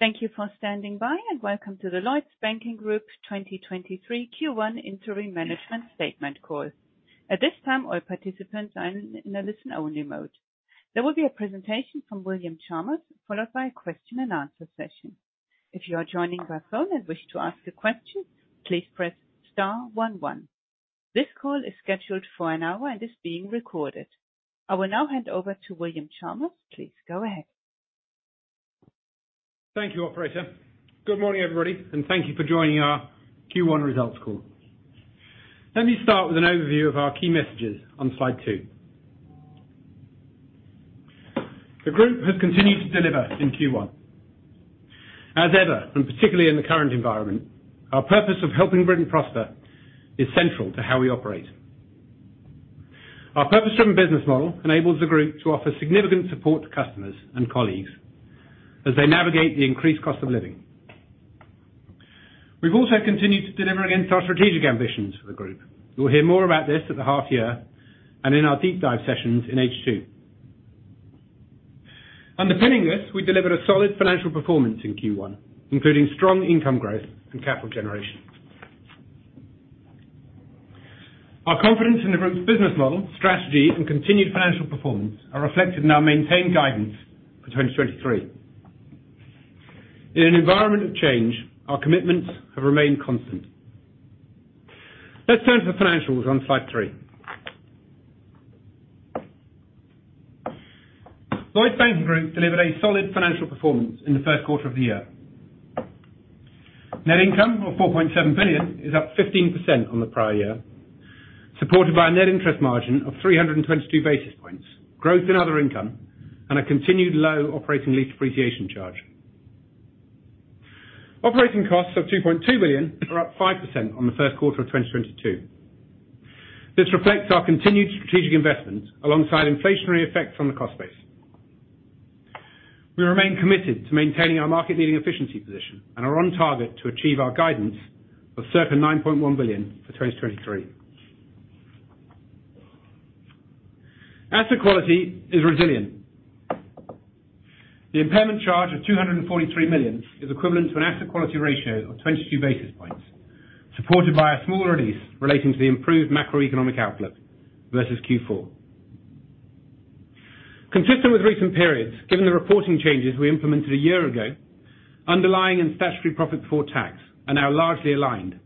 Thank you for standing by, welcome to the Lloyds Banking Group 2023 Q1 Interim Management Statement call. At this time, all participants are in a listen-only mode. There will be a presentation from William Chalmers, followed by a question-and-answer session. If you are joining by phone and wish to ask a question, please press star one one. This call is scheduled for an hour and is being recorded. I will now hand over to William Chalmers. Please go ahead. Thank you, operator. Good morning, everybody, and thank you for joining our Q1 results call. Let me start with an overview of our key messages on slide two. The group has continued to deliver in Q1. As ever, and particularly in the current environment, our purpose of helping Britain prosper is central to how we operate. Our purpose from business model enables the group to offer significant support to customers and colleagues as they navigate the increased cost of living. We've also continued to deliver against our strategic ambitions for the group. You'll hear more about this at the half year and in our deep dive sessions in H2. Underpinning this, we delivered a solid financial performance in Q1, including strong income growth and capital generation. Our confidence in the group's business model, strategy, and continued financial performance are reflected in our maintained guidance for 2023. In an environment of change, our commitments have remained constant. Let's turn to the financials on slide three. Lloyds Banking Group delivered a solid financial performance in the first quarter of the year. Net income of 4.7 billion is up 15% on the prior year, supported by a net interest margin of 322 basis points, growth in other income, and a continued low operating lease appreciation charge. Operating costs of 2.2 billion are up 5% on the first quarter of 2022. This reflects our continued strategic investment alongside inflationary effects on the cost base. We remain committed to maintaining our market-leading efficiency position and are on target to achieve our guidance of circa 9.1 billion for 2023. Asset quality is resilient. The impairment charge of 243 million is equivalent to an asset quality ratio of 22 basis points, supported by a small release relating to the improved macroeconomic outlook versus Q4. Consistent with recent periods, given the reporting changes we implemented a year ago, underlying and statutory profit before tax are now largely aligned.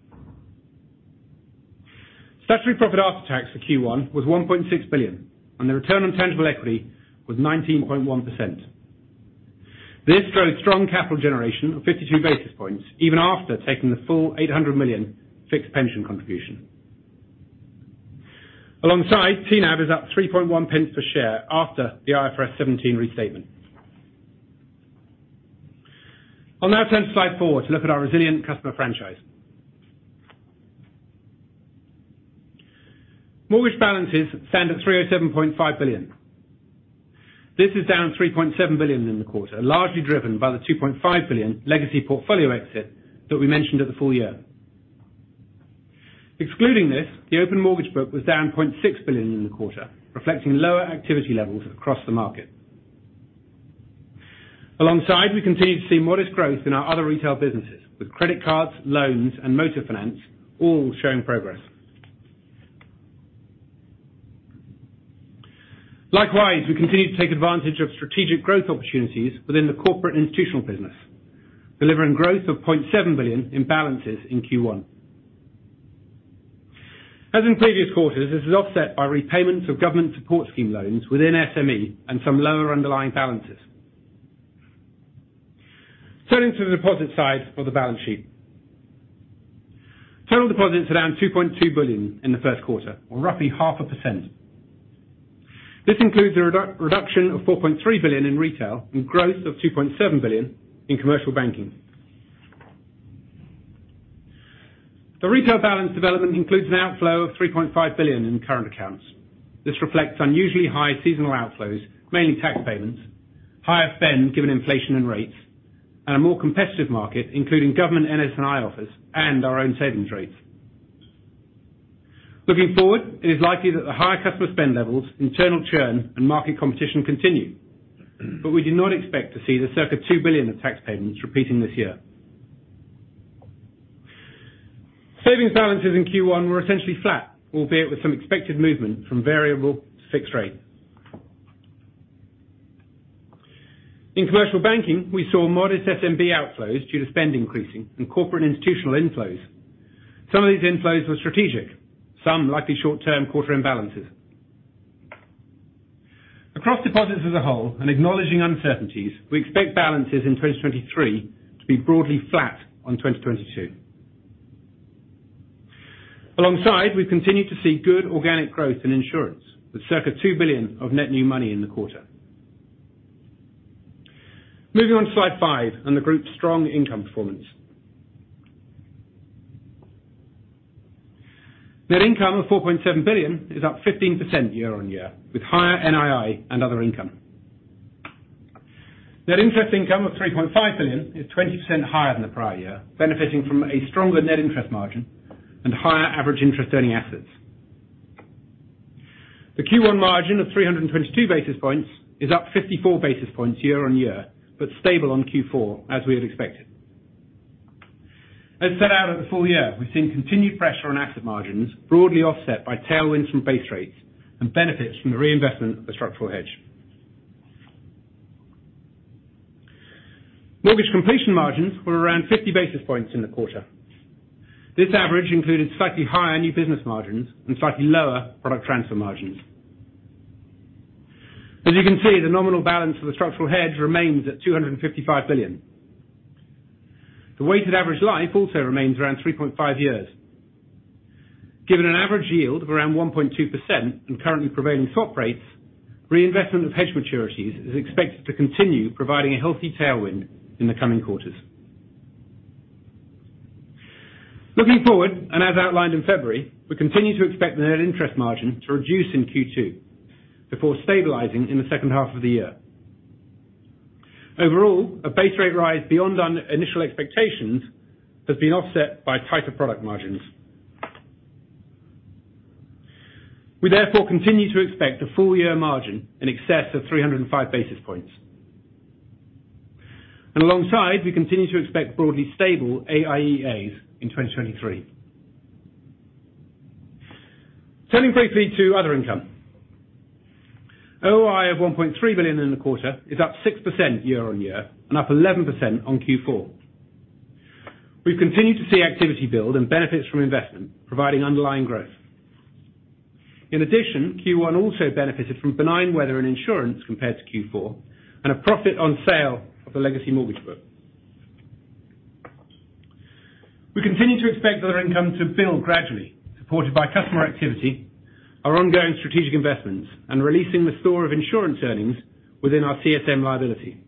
Statutory profit after tax for Q1 was 1.6 billion, and the return on tangible equity was 19.1%. This drove strong capital generation of 52 basis points, even after taking the full 800 million fixed pension contribution. Alongside, TNAV is up 3.1 pence per share after the IFRS 17 restatement. I'll now turn to slide four to look at our resilient customer franchise. Mortgage balances stand at 307.5 billion. This is down 3.7 billion in the quarter, largely driven by the 2.5 billion legacy portfolio exit that we mentioned at the full year. Excluding this, the open mortgage book was down 0.6 billion in the quarter, reflecting lower activity levels across the market. Alongside, we continue to see modest growth in our other retail businesses, with credit cards, loans, and motor finance all showing progress. Likewise, we continue to take advantage of strategic growth opportunities within the corporate institutional business, delivering growth of 0.7 billion in balances in Q1. As in previous quarters, this is offset by repayments of government support scheme loans within SME and some lower underlying balances. Turning to the deposit side of the balance sheet. Total deposits are down 2.2 billion in the first quarter, or roughly 0.5%. This includes a reduction of 4.3 billion in retail and growth of 2.7 billion in commercial banking. The retail balance development includes an outflow of 3.5 billion in current accounts. This reflects unusually high seasonal outflows, mainly tax payments, higher spend given inflation and rates, and a more competitive market, including government NS&I offers and our own savings rates. Looking forward, it is likely that the higher customer spend levels, internal churn, and market competition continue, but we do not expect to see the circa 2 billion of tax payments repeating this year. Savings balances in Q1 were essentially flat, albeit with some expected movement from variable to fixed rate. In commercial banking, we saw modest SMB outflows due to spend increasing and corporate institutional inflows. Some of these inflows were strategic, some likely short term quarter imbalances. Across deposits as a whole, acknowledging uncertainties, we expect balances in 2023 to be broadly flat on 2022. Alongside, we've continued to see good organic growth in insurance with circa 2 billion of net new money in the quarter. Moving on to slide 5 on the group's strong income performance. Net income of 4.7 billion is up 15% year-on-year, with higher NII and other income. Net interest income of 3.5 billion is 20% higher than the prior year, benefiting from a stronger net interest margin and higher average interest-earning assets. The Q1 margin of 322 basis points is up 54 basis points year-on-year, but stable on Q4, as we had expected. As set out at the full year, we've seen continued pressure on asset margins broadly offset by tailwinds from base rates and benefits from the reinvestment of structural hedge. Mortgage completion margins were around 50 basis points in the quarter. This average included slightly higher new business margins and slightly lower product transfer margins. As you can see, the nominal balance of the structural hedge remains at 255 billion. The weighted average life also remains around 3.5 years. Given an average yield of around 1.2% and currently prevailing swap rates, reinvestment of hedge maturities is expected to continue providing a healthy tailwind in the coming quarters. As outlined in February, we continue to expect the net interest margin to reduce in Q2 before stabilizing in the second half of the year. Overall, a base rate rise beyond our initial expectations has been offset by tighter product margins. We, therefore, continue to expect a full-year margin in excess of 305 basis points. Alongside, we continue to expect broadly stable AIEAs in 2023. Turning briefly to other income. OOI of 1.3 billion in the quarter is up 6% year-on-year and up 11% on Q4. We've continued to see activity build and benefits from investment, providing underlying growth. Q1 also benefited from benign weather and insurance compared to Q4, and a profit on sale of the legacy mortgage book. We continue to expect other income to build gradually, supported by customer activity, our ongoing strategic investments, and releasing the store of insurance earnings within our CSM liability.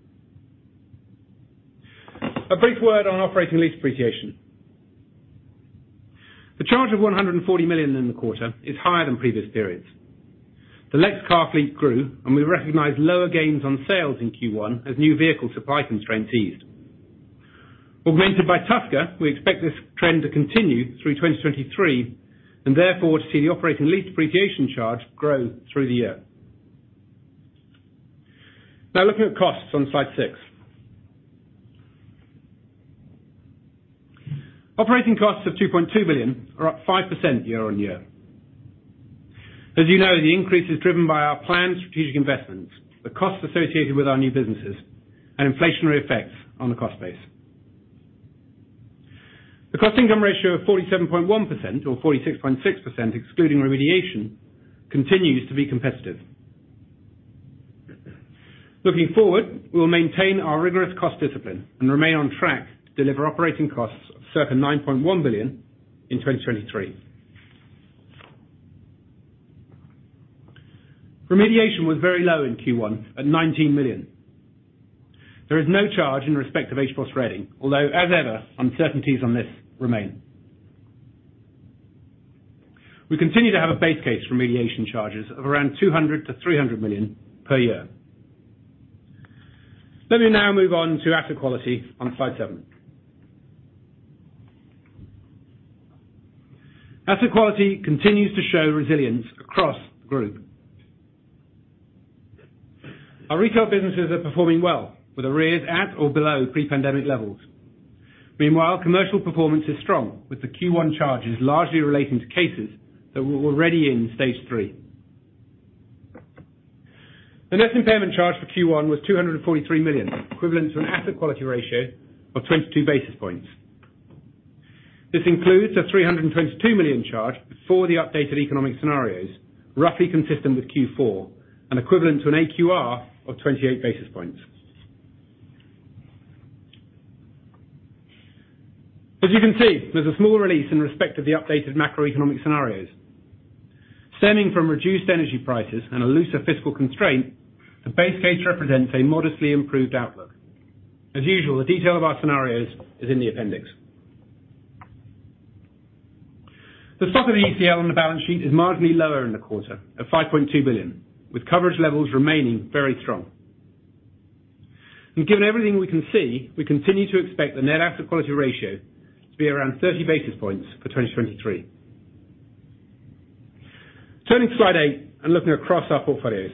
A brief word on operating lease depreciation. The charge of 140 million in the quarter is higher than previous periods. The leased car fleet grew, and we recognized lower gains on sales in Q1 as new vehicle supply constraints eased. Augmented by Tusker, we expect this trend to continue through 2023 and therefore to see the operating lease depreciation charge grow through the year. Looking at costs on slide 6. Operating costs of 2.2 billion are up 5% year-on-year. As you know, the increase is driven by our planned strategic investments, the costs associated with our new businesses, and inflationary effects on the cost base. The cost income ratio of 47.1% or 46.6%, excluding remediation, continues to be competitive. Looking forward, we will maintain our rigorous cost discipline and remain on track to deliver operating costs of circa 9.1 billion in 2023. Remediation was very low in Q1, at 19 million. There is no charge in respect of HBOS Reading, although as ever, uncertainties on this remain. We continue to have a base case remediation charges of around 200 million-300 million per year. Let me now move on to asset quality on slide seven. Asset quality continues to show resilience across the group. Our retail businesses are performing well with arrears at or below pre-pandemic levels. Meanwhile, commercial performance is strong, with the Q1 charges largely relating to cases that were already in Stage 3. The net impairment charge for Q1 was 243 million, equivalent to an asset quality ratio of 22 basis points. This includes a 322 million charge before the updated economic scenarios, roughly consistent with Q4 and equivalent to an AQR of 28 basis points. As you can see, there's a small release in respect of the updated macroeconomic scenarios. Stemming from reduced energy prices and a looser fiscal constraint, the base case represents a modestly improved outlook. As usual, the detail of our scenarios is in the appendix. The stock of ECL on the balance sheet is marginally lower in the quarter of 5.2 billion, with coverage levels remaining very strong. Given everything we can see, we continue to expect the net asset quality ratio to be around 30 basis points for 2023. Turning to slide 8 and looking across our portfolios.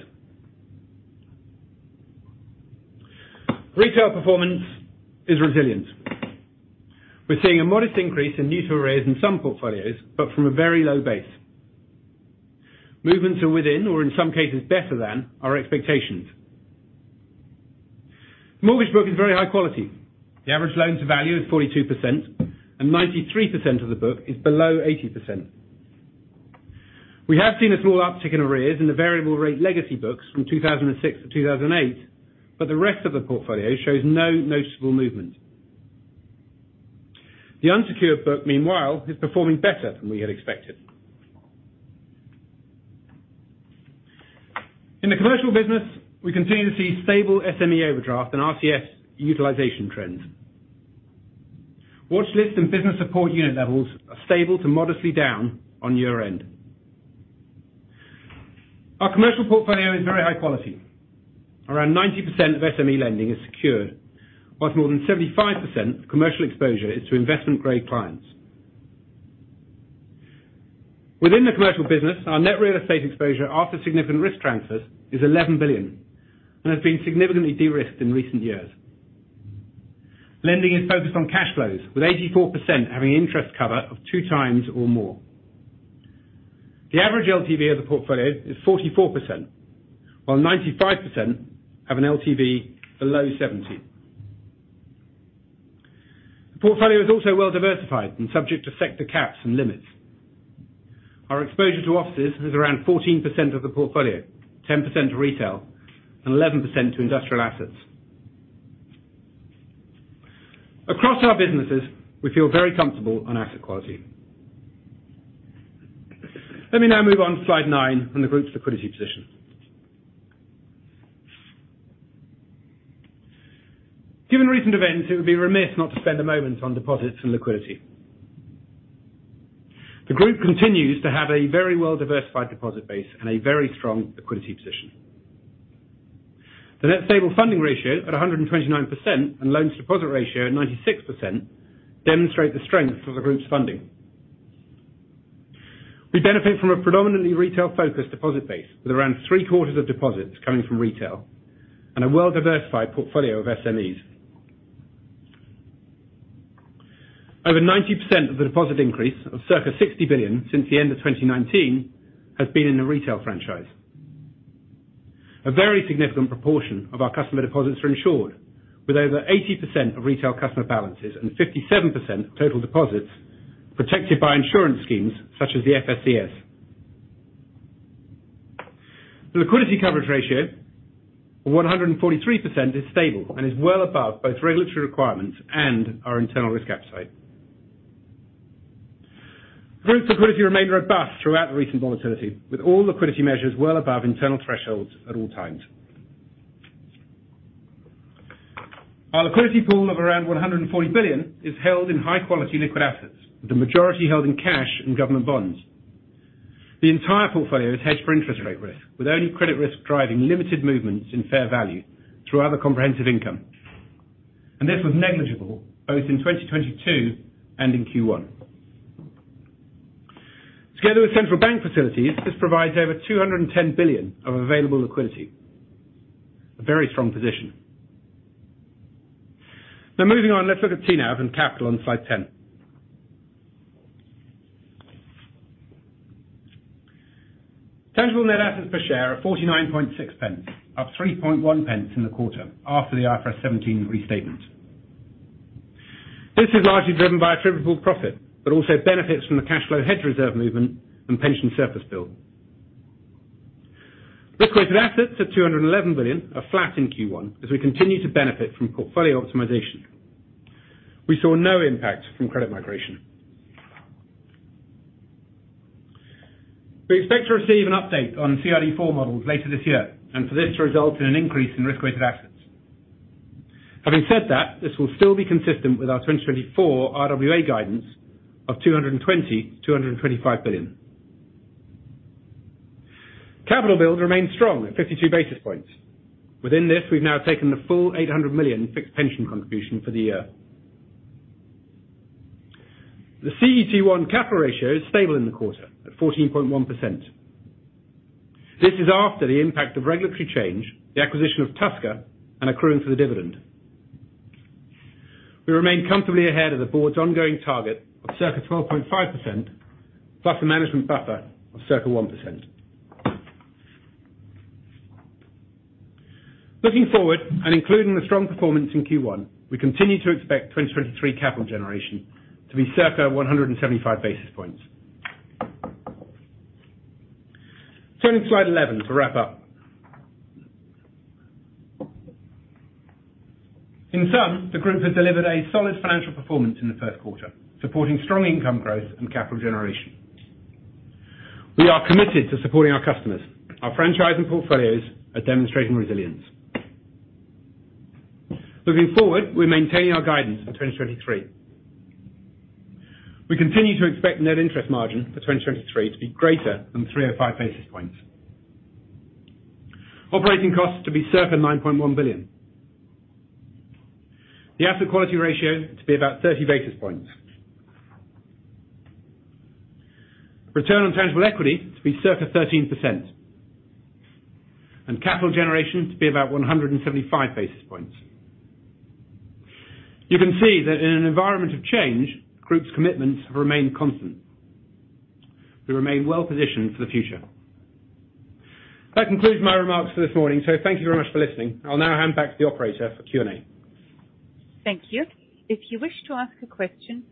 Retail performance is resilient. We're seeing a modest increase in new to arrears in some portfolios, but from a very low base. Movements are within or in some cases better than our expectations. Mortgage book is very high quality. The average loans value is 42% and 93% of the book is below 80%. We have seen a small uptick in arrears in the variable rate legacy books from 2006 to 2008, but the rest of the portfolio shows no noticeable movement. The unsecured book, meanwhile, is performing better than we had expected. In the commercial business, we continue to see stable SME overdraft and RCF utilization trends. Watchlist and business support unit levels are stable to modestly down on year-end. Our commercial portfolio is very high quality. Around 90% of SME lending is secured, whilst more than 75% of commercial exposure is to investment grade clients. Within the commercial business, our net real estate exposure after significant risk transfers is 11 billion and has been significantly de-risked in recent years. Lending is focused on cash flows, with 84% having interest cover of 2x or more. The average LTV of the portfolio is 44%, while 95% have an LTV below 70. The portfolio is also well diversified and subject to sector caps and limits. Our exposure to offices is around 14% of the portfolio, 10% to retail, and 11% to industrial assets. Across our businesses, we feel very comfortable on asset quality. Let me now move on to slide 9 on the group's liquidity position. Given recent events, it would be remiss not to spend a moment on deposits and liquidity. The group continues to have a very well-diversified deposit base and a very strong liquidity position. The net stable funding ratio at 129% and loans to deposit ratio at 96% demonstrate the strength of the group's funding. We benefit from a predominantly retail focused deposit base, with around three-quarters of deposits coming from retail and a well-diversified portfolio of SMEs. Over 90% of the deposit increase of circa 60 billion since the end of 2019 has been in the retail franchise. A very significant proportion of our customer deposits are insured, with over 80% of retail customer balances and 57% of total deposits protected by insurance schemes such as the FSCS. The liquidity coverage ratio of 143% is stable and is well above both regulatory requirements and our internal risk appetite. Group liquidity remained robust throughout the recent volatility, with all liquidity measures well above internal thresholds at all times. Our liquidity pool of around 140 billion is held in high quality liquid assets, with the majority held in cash and government bonds. The entire portfolio is hedged for interest rate risk, with only credit risk driving limited movements in fair value through other comprehensive income. This was negligible both in 2022 and in Q1. Together with central bank facilities, this provides over 210 billion of available liquidity. A very strong position. Moving on, let's look at TNAV and capital on slide 10. Tangible net assets per share are 0.496, up 0.031 in the quarter after the IFRS 17 restatement. This is largely driven by attributable profit, also benefits from the cash flow hedge reserve movement and pension surplus bill. Risk-weighted assets of 211 billion are flat in Q1 as we continue to benefit from portfolio optimization. We saw no impact from credit migration. We expect to receive an update on CRD IV models later this year, for this to result in an increase in risk-weighted assets. Having said that, this will still be consistent with our 2024 RWA guidance of GBP 220 billion-GBP 225 billion. Capital build remains strong at 52 basis points. Within this, we've now taken the full 800 million fixed pension contribution for the year. The CET1 capital ratio is stable in the quarter at 14.1%. This is after the impact of regulatory change, the acquisition of Tusker, and accruing for the dividend. We remain comfortably ahead of the board's ongoing target of circa 12.5%, plus a management buffer of circa 1%. Looking forward, and including the strong performance in Q1, we continue to expect 2023 capital generation to be circa 175 basis points. Turning to slide 11 to wrap up. In sum, the group has delivered a solid financial performance in the first quarter, supporting strong income growth and capital generation. We are committed to supporting our customers. Our franchise and portfolios are demonstrating resilience. Looking forward, we're maintaining our guidance for 2023. We continue to expect net interest margin for 2023 to be greater than 305 basis points. Operating costs to be circa 9.1 billion. The asset quality ratio to be about 30 basis points. Return on tangible equity to be circa 13%, and capital generation to be about 175 basis points. You can see that in an environment of change, the group's commitments have remained constant. We remain well positioned for the future. That concludes my remarks for this morning. Thank you very much for listening. I'll now hand back to the operator for Q&A. Thank you. If you wish to ask a question,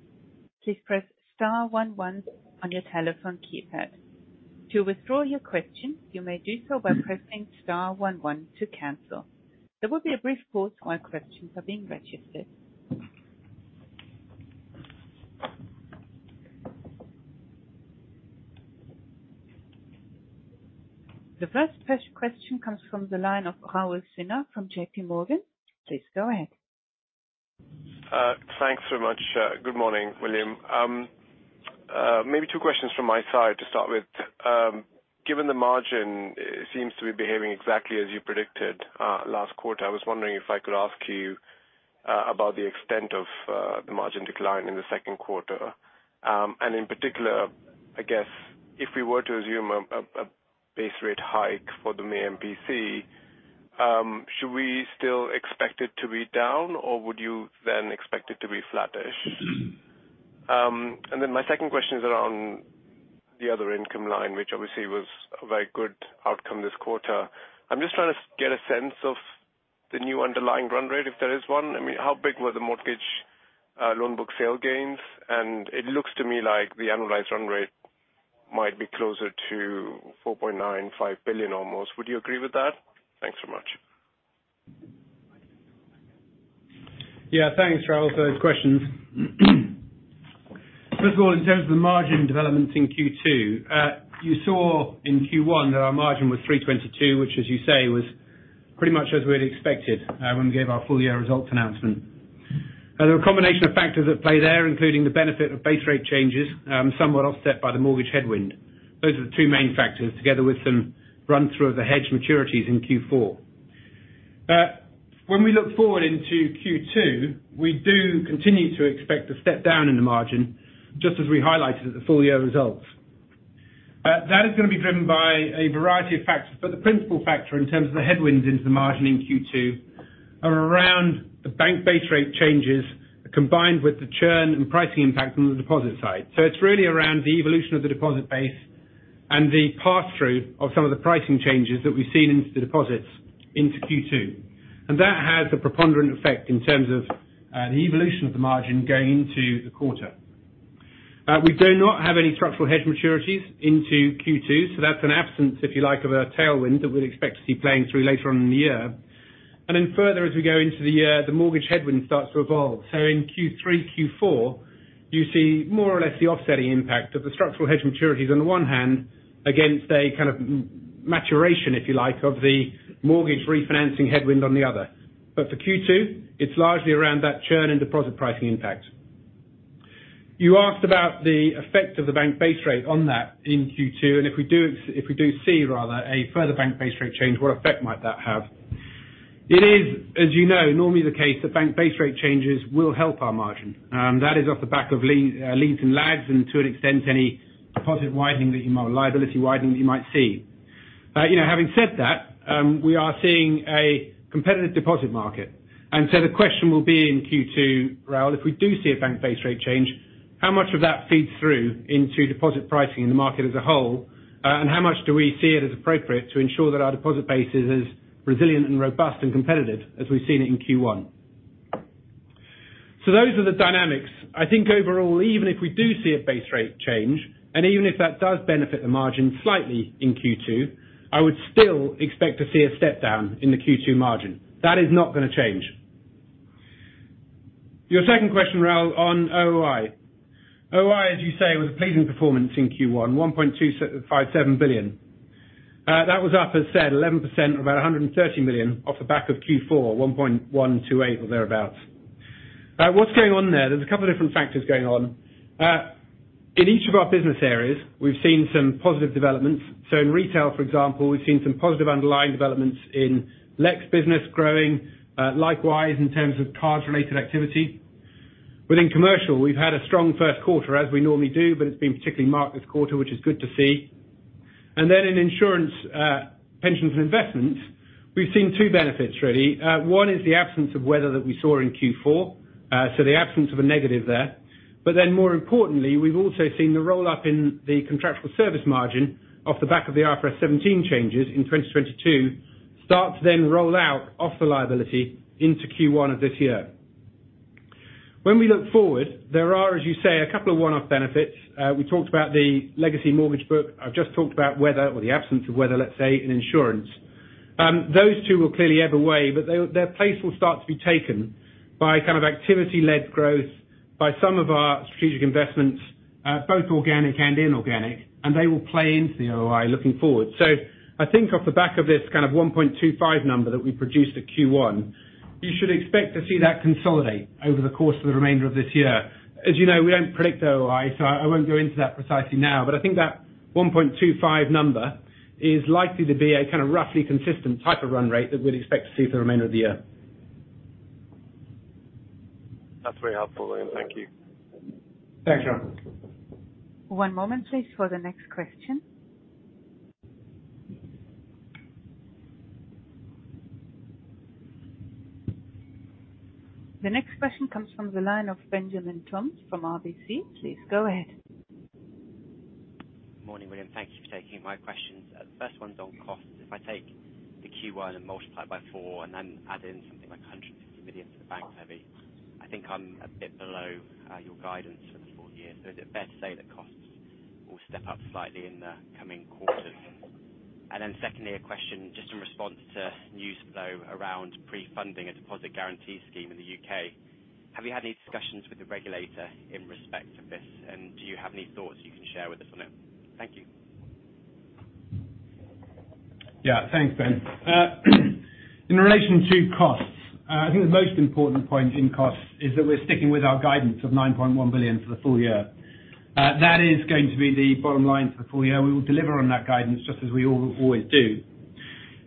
please press star one one on your telephone keypad. To withdraw your question, you may do so by pressing star one one to cancel. There will be a brief pause while questions are being registered. The first question comes from the line of Raul Sinha from JP Morgan. Please go ahead. Thanks very much. Good morning, William. Maybe two questions from my side to start with. Given the margin seems to be behaving exactly as you predicted, last quarter, I was wondering if I could ask you about the extent of the margin decline in the second quarter. In particular, I guess if we were to assume a base rate hike for the May MPC, should we still expect it to be down, or would you then expect it to be flattish? My second question is around the other income line, which obviously was a very good outcome this quarter. I'm just trying to get a sense of the new underlying run rate, if there is one. I mean, how big were the mortgage loan book sale gains? It looks to me like the annualized run rate might be closer to 4.95 billion almost. Would you agree with that? Thanks so much. Thanks, Raul, for those questions. First of all, in terms of the margin developments in Q2, you saw in Q1 that our margin was 3.22%, which as you say, was pretty much as we had expected when we gave our full year results announcement. There were a combination of factors at play there, including the benefit of base rate changes, somewhat offset by the mortgage headwind. Those are the two main factors, together with some run through of the hedge maturities in Q4. When we look forward into Q2, we do continue to expect a step down in the margin, just as we highlighted at the full year results. That is gonna be driven by a variety of factors, but the principal factor in terms of the headwinds into the margin in Q2 are around the bank base rate changes combined with the churn and pricing impact on the deposit side. It's really around the evolution of the deposit base and the pass-through of some of the pricing changes that we've seen into the deposits into Q2. That has a preponderant effect in terms of the evolution of the margin going into the quarter. We do not have any structural hedge maturities into Q2, so that's an absence, if you like, of a tailwind that we'll expect to see playing through later on in the year. Further as we go into the year, the mortgage headwind starts to evolve. In Q3, Q4, you see more or less the offsetting impact of the structural hedge maturities on the one hand against a kind of maturation, if you like, of the mortgage refinancing headwind on the other. For Q2, it's largely around that churn and deposit pricing impact. You asked about the effect of the bank base rate on that in Q2, and if we do see rather a further bank base rate change, what effect might that have? It is, as you know, normally the case that bank base rate changes will help our margin. That is off the back of leads and lags and to an extent, any liability widening that you might see. You know, having said that, we are seeing a competitive deposit market. The question will be in Q2, Raul, if we do see a bank base rate change, how much of that feeds through into deposit pricing in the market as a whole? How much do we see it as appropriate to ensure that our deposit base is as resilient and robust and competitive as we've seen it in Q1? Those are the dynamics. I think overall, even if we do see a base rate change, and even if that does benefit the margin slightly in Q2, I would still expect to see a step down in the Q2 margin. That is not gonna change. Your second question, Raul, on OI. OI, as you say, was a pleasing performance in Q1, 1.257 billion. That was up, as I said, 11% or about 130 million off the back of Q4, 1.128 or thereabout. What's going on there? There's a couple of different factors going on. In each of our business areas, we've seen some positive developments. In retail, for example, we've seen some positive underlying developments in Lex business growing, likewise in terms of cards related activity. Within commercial, we've had a strong first quarter as we normally do, but it's been particularly marked this quarter, which is good to see. Then in insurance, pensions and investments, we've seen two benefits really. One is the absence of weather that we saw in Q4, so the absence of a negative there. More importantly, we've also seen the roll-up in the contractual service margin off the back of the IFRS 17 changes in 2022 start to then roll out off the liability into Q1 of this year. When we look forward, there are, as you say, a couple of one-off benefits. We talked about the legacy mortgage book. I've just talked about weather or the absence of weather, let's say, in insurance. Those two will clearly ebb away, but their place will start to be taken by kind of activity-led growth by some of our strategic investments, both organic and inorganic, and they will play into the OI looking forward. I think off the back of this kind of 1.25 number that we produced at Q1, you should expect to see that consolidate over the course of the remainder of this year. As you know, we don't predict the OI, so I won't go into that precisely now, but I think that 1.25 number is likely to be a kinda roughly consistent type of run rate that we'd expect to see for the remainder of the year. That's very helpful, William. Thank you. Thanks, Raul. One moment, please, for the next question. The next question comes from the line of Benjamin Toms from RBC. Please go ahead. Morning, William. Thank you for taking my questions. The first one's on costs. If I take the Q1 and multiply by four and then add in something like 150 million for the bank levy, I think I'm a bit below, your guidance for the full year. Is it fair to say that costs will step up slightly in the coming quarters? Secondly, a question just in response to news flow around pre-funding a deposit guarantee scheme in the UK. Have you had any discussions with the regulator in respect of this? Do you have any thoughts you can share with us on it? Thank you. Yeah. Thanks, Ben. In relation to costs, I think the most important point in costs is that we're sticking with our guidance of 9.1 billion for the full year. That is going to be the bottom line for the full year. We will deliver on that guidance just as we always do.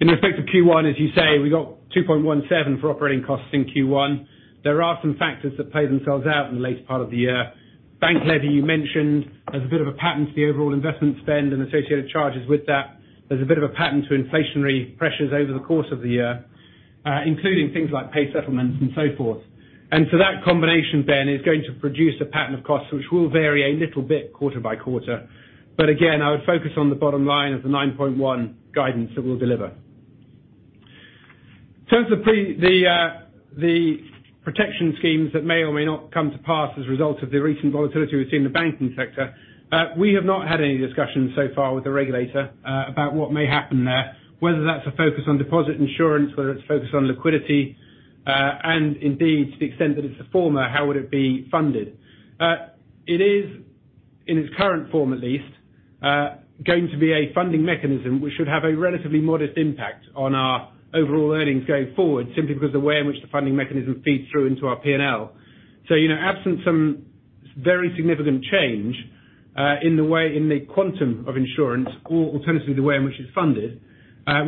In effect to Q1, as you say, we got 2.17 for operating costs in Q1. There are some factors that play themselves out in the later part of the year. Bank levy, you mentioned, there's a bit of a pattern to the overall investment spend and associated charges with that. There's a bit of a pattern to inflationary pressures over the course of the year, including things like pay settlements and so forth. That combination then is going to produce a pattern of costs which will vary a little bit quarter by quarter. Again, I would focus on the bottom line of the 9.1 guidance that we'll deliver. In terms of the protection schemes that may or may not come to pass as a result of the recent volatility we've seen in the banking sector, we have not had any discussions so far with the regulator, about what may happen there, whether that's a focus on deposit insurance, whether it's a focus on liquidity, and indeed, to the extent that it's the former, how would it be funded. It is, in its current form at least, going to be a funding mechanism, which should have a relatively modest impact on our overall earnings going forward, simply because the way in which the funding mechanism feeds through into our P&L. You know, absent some very significant change, in the way, in the quantum of insurance or alternatively the way in which it's funded,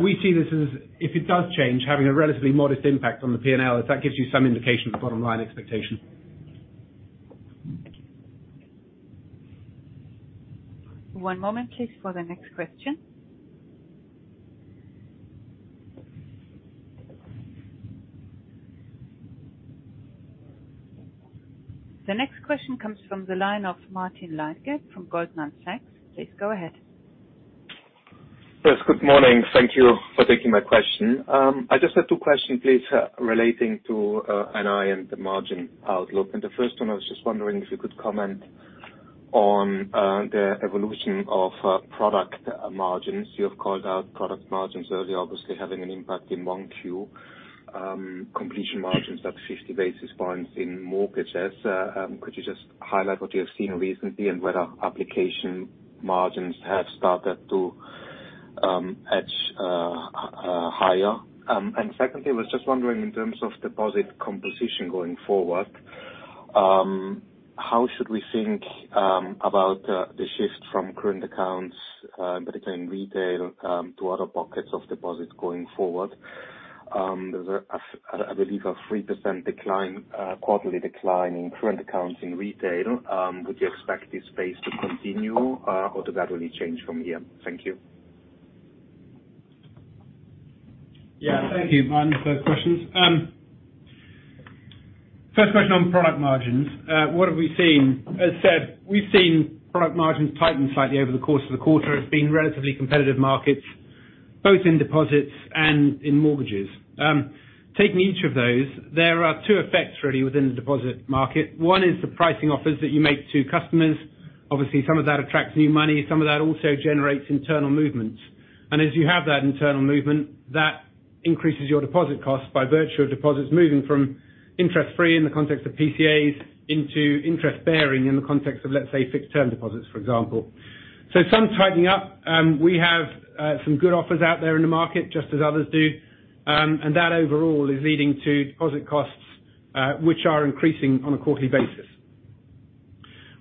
we see this as if it does change, having a relatively modest impact on the P&L, if that gives you some indication of bottom line expectation. One moment, please, for the next question. The next question comes from the line of Martin Leitgeb from Goldman Sachs. Please go ahead. Yes, good morning. Thank you for taking my question. I just have two questions, please, relating to NII and the margin outlook. The first one, I was just wondering if you could comment on the evolution of product margins. You have called out product margins earlier, obviously having an impact in Q1, completion margins up 50 basis points in mortgages. Could you just highlight what you have seen recently and whether application margins have started to edge higher? Secondly, I was just wondering in terms of deposit composition going forward, how should we think about the shift from current accounts, particularly in retail, to other pockets of deposits going forward? There's a, I believe, a 3% decline, quarterly decline in current accounts in retail. Would you expect this space to continue, or does that really change from here? Thank you. Yeah, thank you, Martin, for those questions. First question on product margins. What have we seen? As said, we've seen product margins tighten slightly over the course of the quarter. It's been relatively competitive markets, both in deposits and in mortgages. Taking each of those, there are two effects really within the deposit market. One is the pricing offers that you make to customers. Obviously, some of that attracts new money, some of that also generates internal movements. As you have that internal movement, that increases your deposit costs by virtue of deposits moving from interest free in the context of PCAs into interest bearing in the context of, let's say, fixed term deposits, for example. Some tightening up, we have some good offers out there in the market, just as others do. That overall is leading to deposit costs, which are increasing on a quarterly basis.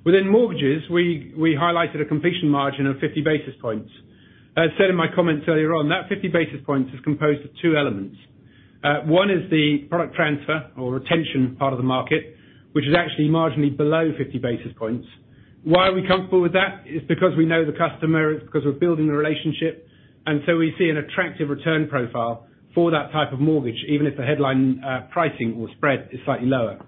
Within mortgages, we highlighted a completion margin of 50 basis points. As said in my comments earlier on, that 50 basis points is composed of two elements. One is the product transfer or retention part of the market, which is actually marginally below 50 basis points. Why are we comfortable with that? It's because we know the customer, it's because we're building the relationship, and so we see an attractive return profile for that type of mortgage, even if the headline pricing or spread is slightly lower.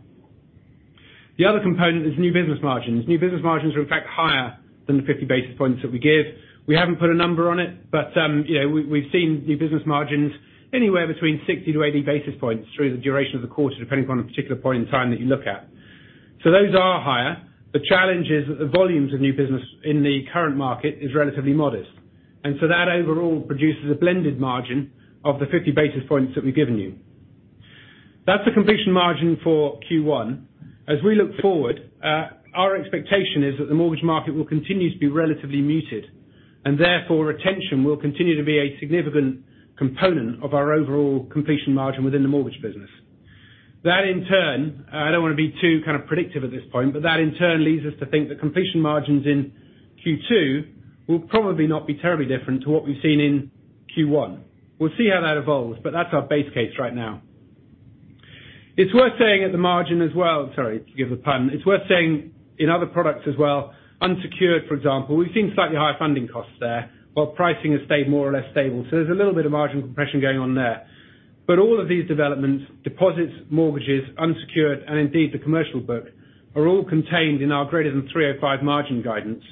The other component is new business margins. New business margins are in fact higher than the 50 basis points that we give. We haven't put a number on it, but, you know, we've seen new business margins anywhere between 60 to 80 basis points through the duration of the quarter, depending upon the particular point in time that you look at. Those are higher. The challenge is that the volumes of new business in the current market is relatively modest. That overall produces a blended margin of the 50 basis points that we've given you. That's the completion margin for Q1. As we look forward, our expectation is that the mortgage market will continue to be relatively muted, and therefore, retention will continue to be a significant component of our overall completion margin within the mortgage business. That in turn, I don't want to be too kind of predictive at this point, but that in turn leads us to think the completion margins in Q2 will probably not be terribly different to what we've seen in Q1. We'll see how that evolves, but that's our base case right now. It's worth saying at the margin as well, sorry to give a pun. It's worth saying in other products as well, unsecured, for example, we've seen slightly higher funding costs there, while pricing has stayed more or less stable. There's a little bit of margin compression going on there. All of these developments, deposits, mortgages, unsecured, and indeed the commercial book, are all contained in our greater than 305 margin guidance.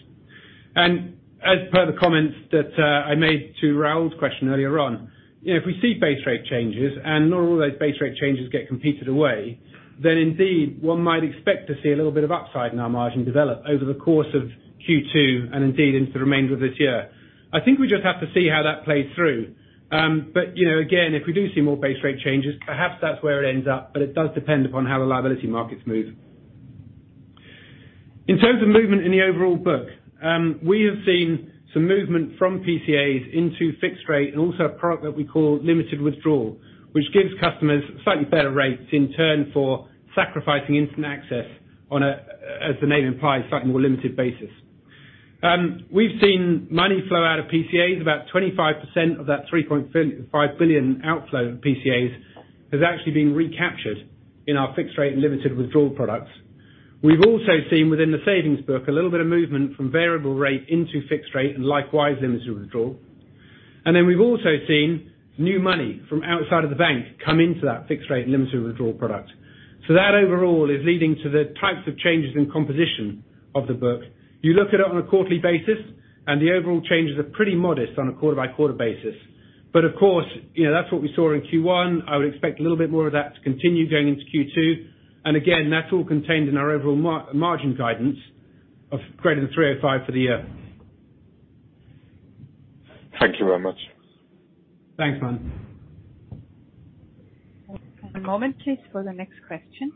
As per the comments that I made to Raul's question earlier on, you know, if we see base rate changes, and not all those base rate changes get competed away, then indeed one might expect to see a little bit of upside in our margin develop over the course of Q2 and indeed into the remainder of this year. I think we just have to see how that plays through. You know, again, if we do see more base rate changes, perhaps that's where it ends up, but it does depend upon how the liability markets move. In terms of movement in the overall book, we have seen some movement from PCAs into fixed rate and also a product that we call limited withdrawal, which gives customers slightly better rates in turn for sacrificing instant access on a, as the name implies, slightly more limited basis. We've seen money flow out of PCAs, about 25% of that 3.5 billion outflow of PCAs has actually been recaptured in our fixed rate and limited withdrawal products. We've also seen within the savings book a little bit of movement from variable rate into fixed rate and likewise limited withdrawal. We've also seen new money from outside of the bank come into that fixed rate and limited withdrawal product. That overall is leading to the types of changes in composition of the book. You look at it on a quarterly basis, and the overall changes are pretty modest on a quarter by quarter basis. You know, that's what we saw in Q1. I would expect a little bit more of that to continue going into Q2. Again, that's all contained in our overall margin guidance of greater than 3.05% for the year. Thank you very much. Thanks, Mart. One moment, please, for the next question.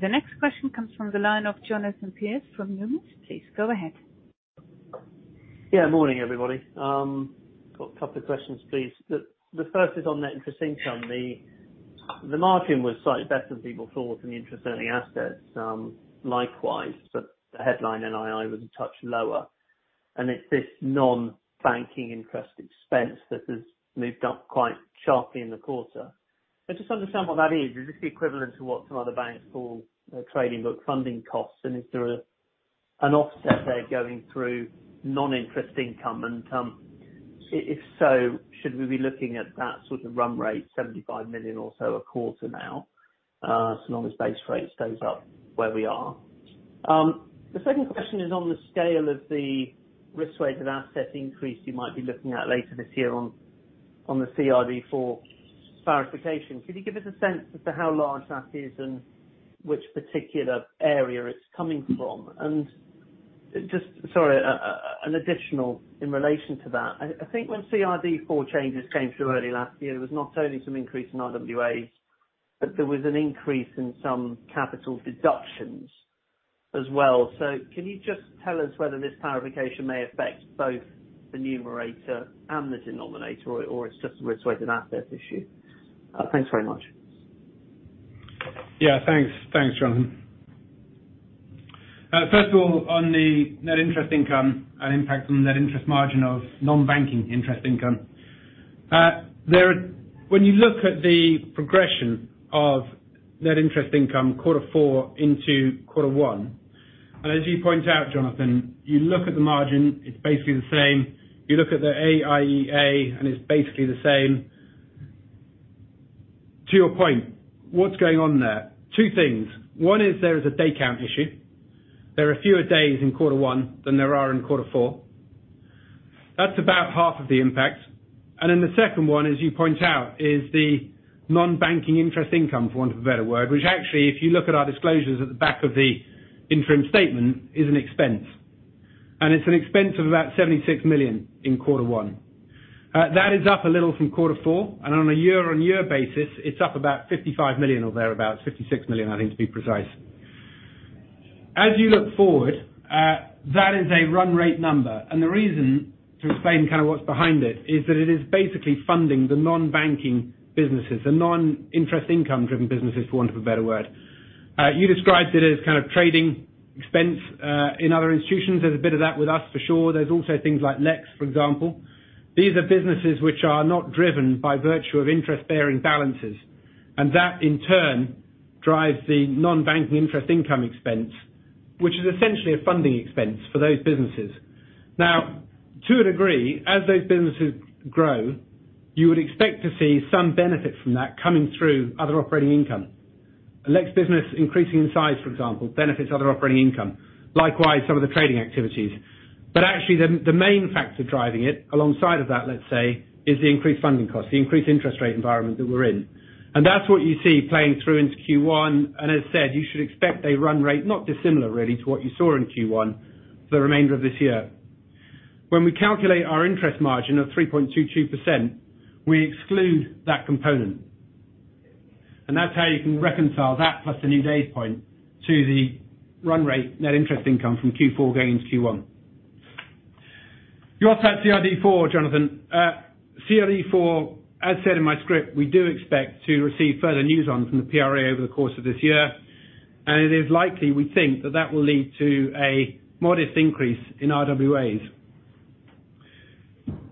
The next question comes from the line of Jonathan Pierce from Numis. Please go ahead. Morning, everybody. Got a couple of questions, please. The first is on net interest income. The margin was slightly better than people thought, and the interest-earning assets, likewise. The headline NII was a touch lower. It's this non-banking interest expense that has moved up quite sharply in the quarter. I just understand what that is. Is this the equivalent to what some other banks call trading book funding costs? Is there an offset there going through non-interest income? If so, should we be looking at that sort of run rate, 75 million or so a quarter now, so long as base rate stays up where we are? The second question is on the scale of the risk-weighted asset increase you might be looking at later this year on the CRD4 clarification. Could you give us a sense as to how large that is and which particular area it's coming from? Sorry, an additional in relation to that. I think when CRD IV changes came through early last year, there was not only some increase in RWAs, but there was an increase in some capital deductions as well. Can you just tell us whether this clarification may affect both the numerator and the denominator or it's just a risk-weighted asset issue? Thanks very much. Yeah, thanks. Thanks, Jonathan. First of all, on the net interest income and impact on net interest margin of non-banking interest income. When you look at the progression of net interest income quarter four into quarter one, and as you point out, Jonathan, you look at the margin, it's basically the same. You look at the AIEA, and it's basically the same. To your point, what's going on there? Two things. One is there is a day count issue. There are fewer days in quarter one than there are in quarter four. That's about half of the impact. The second one, as you point out, is the non-banking interest income, for want of a better word, which actually, if you look at our disclosures at the back of the interim statement, is an expense, and it's an expense of about 76 million in quarter one. That is up a little from quarter four, on a year-on-year basis, it's up about 55 million or thereabout. 56 million, I think, to be precise. As you look forward, that is a run rate number. The reason to explain kind of what's behind it is that it is basically funding the non-banking businesses, the non-interest income driven businesses, for want of a better word. You described it as kind of trading expense, in other institutions. There's a bit of that with us for sure. There's also things like LEX, for example. These are businesses which are not driven by virtue of interest bearing balances, and that in turn drives the non-banking interest income expense, which is essentially a funding expense for those businesses. To a degree, as those businesses grow, you would expect to see some benefit from that coming through other operating income. A Lex business increasing in size, for example, benefits other operating income. Likewise, some of the trading activities. Actually the main factor driving it alongside of that, let's say, is the increased funding cost, the increased interest rate environment that we're in. That's what you see playing through into Q1. As said, you should expect a run rate not dissimilar really to what you saw in Q1 for the remainder of this year. When we calculate our interest margin of 3.22%, we exclude that component. That's how you can reconcile that plus the new base point to the run rate net interest income from Q4 going into Q1. You asked about CRD4, Jonathan. CRD4, as said in my script, we do expect to receive further news on from the PRA over the course of this year, and it is likely, we think, that that will lead to a modest increase in RWAs.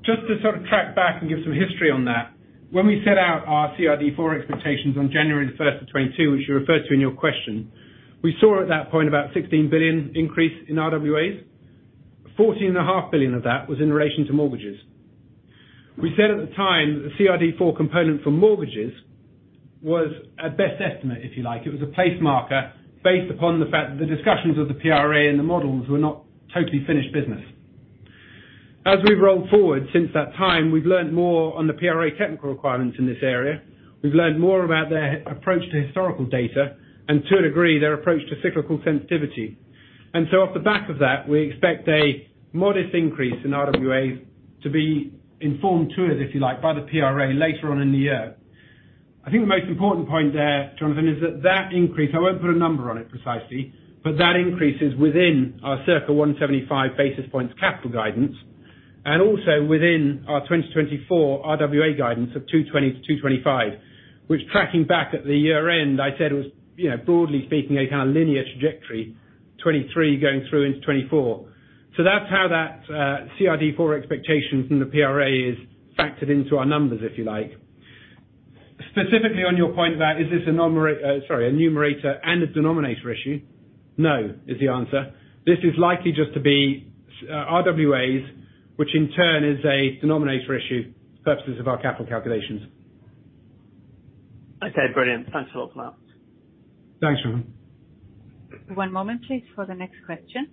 Just to track back and give some history on that, when we set out our CRD4 expectations on January 1, 2022, which you referred to in your question, we saw at that point about 16 billion increase in RWAs. 14.5 billion of that was in relation to mortgages. We said at the time the CRD4 component for mortgages was a best estimate, if you like. It was a place marker based upon the fact that the discussions of the PRA and the models were not totally finished business. As we've rolled forward since that time, we've learned more on the PRA technical requirements in this area. We've learned more about their approach to historical data and to a degree, their approach to cyclical sensitivity. Off the back of that, we expect a modest increase in RWAs to be informed to us, if you like, by the PRA later on in the year. I think the most important point there, Jonathan, is that that increase, I won't put a number on it precisely, but that increase is within our circa 175 basis points capital guidance and also within our 2024 RWA guidance of 220-225, which tracking back at the year end, I said it was, you know, broadly speaking, a kind of linear trajectory, 2023 going through into 2024. That's how that CRD4 expectation from the PRA is factored into our numbers, if you like. Specifically on your point about is this a numerator and a denominator issue, no is the answer. This is likely just to be RWAs, which in turn is a denominator issue for purposes of our capital calculations. Okay, brilliant. Thanks a lot for that. Thanks, Jonathan. One moment, please, for the next question.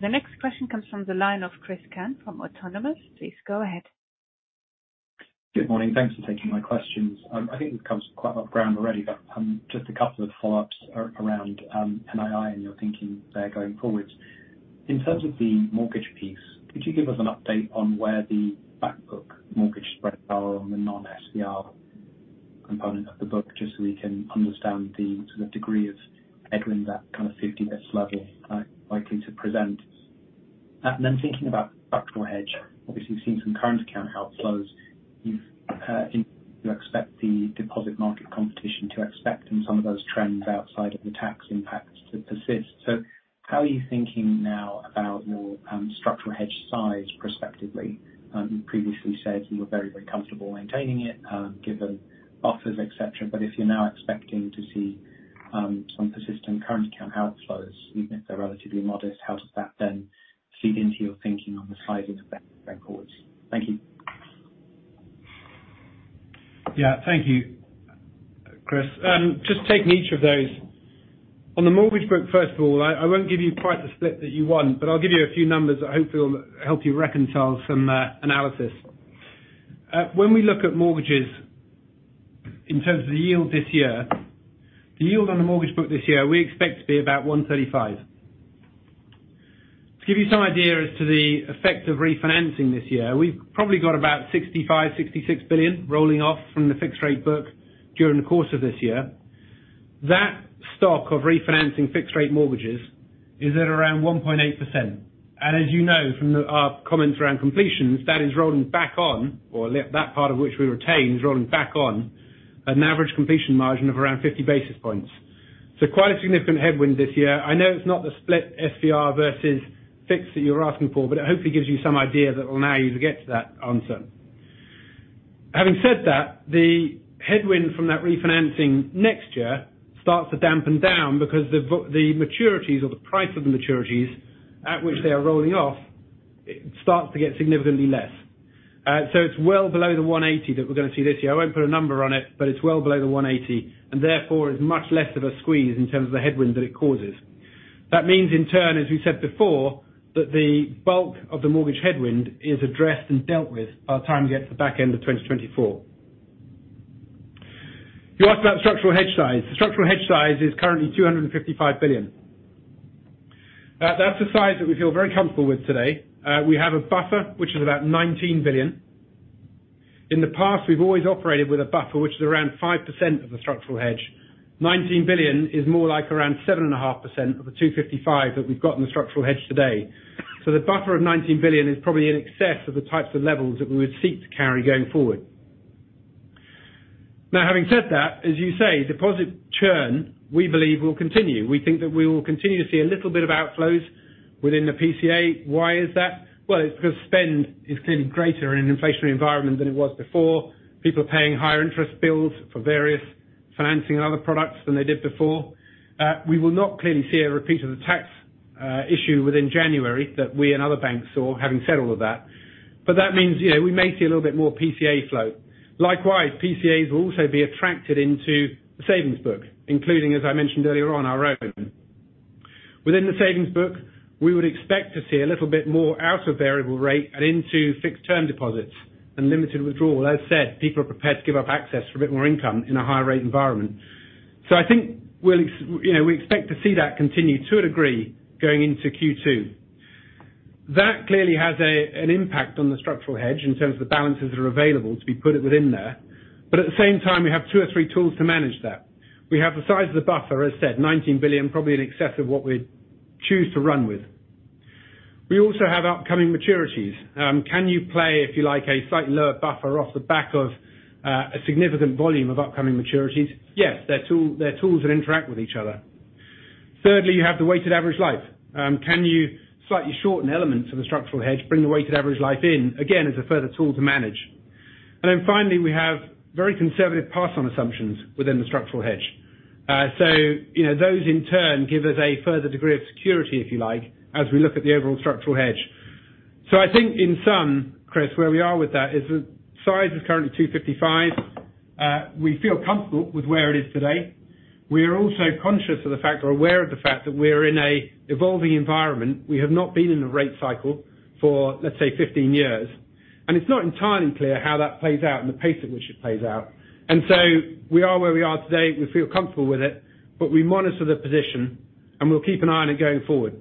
The next question comes from the line of Chris Cant from Autonomous. Please go ahead. Good morning. Thanks for taking my questions. I think we've covered quite a lot of ground already, just a couple of follow-ups around NII and your thinking there going forward. In terms of the mortgage piece, could you give us an update on where the back book mortgage spreads are on the non-SVR component of the book, just so we can understand the sort of degree of headwind that kind of 50 bits level are likely to present? Then thinking about structural hedge, obviously you've seen some current account outflows. You expect the deposit market competition to expect in some of those trends outside of the tax impacts to persist. How are you thinking now about your structural hedge size prospectively? You previously said you were very, very comfortable maintaining it, given buffers, et cetera. If you're now expecting to see, some persistent current account outflows, even if they're relatively modest, how does that then feed into your thinking on the sizing of that going forwards? Thank you. Yeah. Thank you, Chris. Just taking each of those. On the mortgage book, first of all, I won't give you quite the split that you want, but I'll give you a few numbers that I hope will help you reconcile some analysis. When we look at mortgages in terms of the yield this year, the yield on the mortgage book this year, we expect to be about 1.35%. To give you some idea as to the effect of refinancing this year, we've probably got about 65 billion-66 billion rolling off from the fixed rate book during the course of this year. That stock of refinancing fixed rate mortgages is at around 1.8%. As you know from the, our comments around completions, that is rolling back on, or at least that part of which we retained is rolling back on an average completion margin of around 50 basis points. Quite a significant headwind this year. I know it's not the split FTR versus fixed that you're asking for, but it hopefully gives you some idea that will allow you to get to that answer. Having said that, the headwind from that refinancing next year starts to dampen down because the maturities or the price of the maturities at which they are rolling off, it starts to get significantly less. It's well below the 180 that we're gonna see this year. I won't put a number on it, but it's well below the 180, and therefore is much less of a squeeze in terms of the headwind that it causes. That means in turn, as we said before, that the bulk of the mortgage headwind is addressed and dealt with by the time we get to the back end of 2024. You asked about structural hedge size. The structural hedge size is currently 255 billion. That's a size that we feel very comfortable with today. We have a buffer which is about 19 billion. In the past, we've always operated with a buffer which is around 5% of the structural hedge. 19 billion is more like around 7.5% of the 255 that we've got in the structural hedge today. The buffer of 19 billion is probably in excess of the types of levels that we would seek to carry going forward. Having said that, as you say, deposit churn we believe will continue. We think that we will continue to see a little bit of outflows within the PCA. Why is that? It's because spend is clearly greater in an inflationary environment than it was before. People are paying higher interest bills for various financing and other products than they did before. We will not clearly see a repeat of the tax issue within January that we and other banks saw, having said all of that, but that means, you know, we may see a little bit more PCA flow. Likewise, PCAs will also be attracted into the savings book, including, as I mentioned earlier on, our own. Within the savings book, we would expect to see a little bit more out of variable rate and into fixed term deposits and limited withdrawal. As said, people are prepared to give up access for a bit more income in a higher rate environment. I think we'll You know, we expect to see that continue to a degree going into Q2. That clearly has a, an impact on the structural hedge in terms of the balances that are available to be put within there, at the same time, we have two or three tools to manage that. We have the size of the buffer, as said, 19 billion, probably in excess of what we'd choose to run with. We also have upcoming maturities. Can you play, if you like, a slightly lower buffer off the back of a significant volume of upcoming maturities? Yes. They're tools that interact with each other. Thirdly, you have the weighted average life. Can you slightly shorten elements of a structural hedge, bring the weighted average life in, again, as a further tool to manage. Finally, we have very conservative pass on assumptions within the structural hedge. You know, those in turn give us a further degree of security, if you like, as we look at the overall structural hedge. I think in sum, Chris, where we are with that is the size is currently 255. We feel comfortable with where it is today. We are also conscious of the fact or aware of the fact that we're in a evolving environment. We have not been in a rate cycle for, let's say, 15 years. It's not entirely clear how that plays out and the pace at which it plays out. We are where we are today. We feel comfortable with it, but we monitor the position, and we'll keep an eye on it going forward.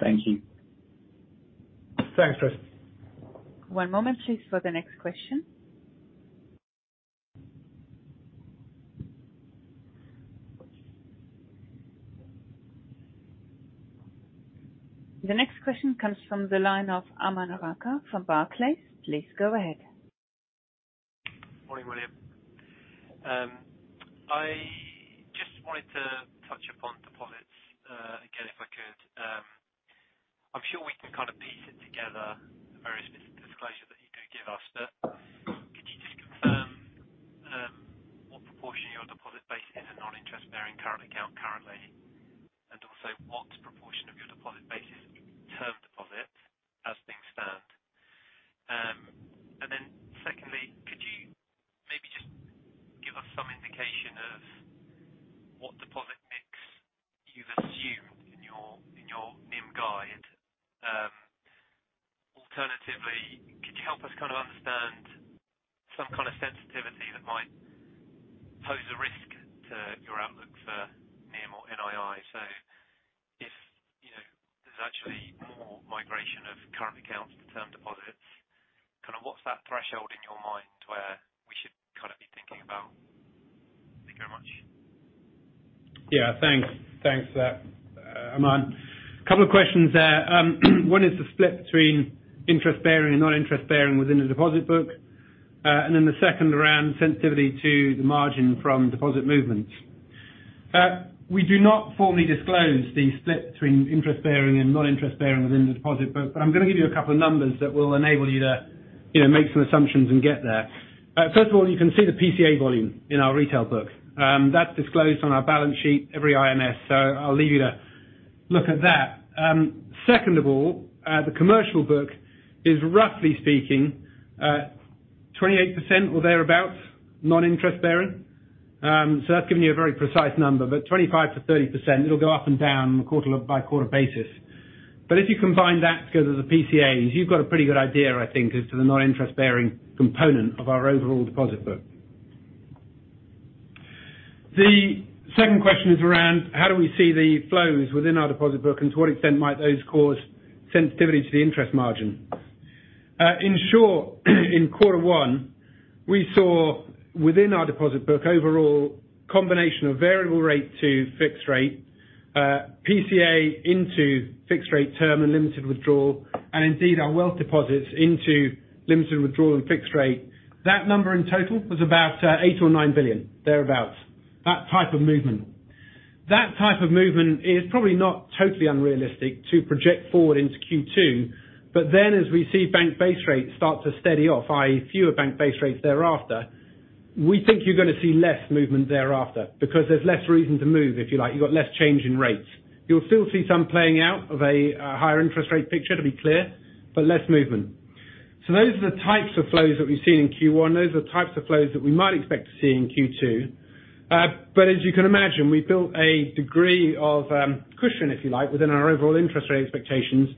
Thank you. Thanks, Chris. One moment, please, for the next question. The next question comes from the line of Aman Rakkar from Barclays. Please go ahead. Morning, William. I just wanted to touch upon deposits again, if I could. I'm sure we can kind of piece it together, the various disclosure that you do give us. Could you just confirm what proportion of your deposit base is a non-interest-bearing current account currently? Also what proportion of your deposit base is term deposit as things stand? Secondly, could you maybe just give us some indication of what deposit mix you've assumed in your, in your NIM guide? Alternatively, could you help us kind of understand some kind of sensitivity that might pose a risk to your outlook for NIM or NII? If, you know, there's actually more migration of current accounts to term deposits, kind of what's that threshold in your mind where we should kind of be thinking about? Thank you very much. Yeah, thanks. Thanks for that, Aman. Couple of questions there. One is the split between interest-bearing and non-interest-bearing within the deposit book. The second around sensitivity to the margin from deposit movements. We do not formally disclose the split between interest-bearing and non-interest-bearing within the deposit book, I'm gonna give you a couple of numbers that will enable you to, you know, make some assumptions and get there. First of all, you can see the PCA volume in our retail book. That's disclosed on our balance sheet every IMS. I'll leave you to look at that. Second of all, the commercial book is roughly speaking, 28% or thereabout, non-interest-bearing. That's giving you a very precise number, 25%-30%, it'll go up and down quarter by quarter basis. If you combine that together with the PCAs, you've got a pretty good idea, I think, as to the non-interest-bearing component of our overall deposit book. The second question is around how do we see the flows within our deposit book and to what extent might those cause sensitivity to the interest margin. In short, in Q1, we saw within our deposit book overall combination of variable rate to fixed rate, PCA into fixed rate term and limited withdrawal, and indeed our wealth deposits into limited withdrawal and fixed rate. That number in total was about 8 billion-9 billion, thereabout. That type of movement is probably not totally unrealistic to project forward into Q2. As we see bank base rates start to steady off, i.e., fewer bank base rates thereafter, we think you're gonna see less movement thereafter because there's less reason to move, if you like. You've got less change in rates. You'll still see some playing out of a higher interest rate picture, to be clear, but less movement. Those are the types of flows that we've seen in Q1. Those are the types of flows that we might expect to see in Q2. As you can imagine, we've built a degree of cushion, if you like, within our overall interest rate expectations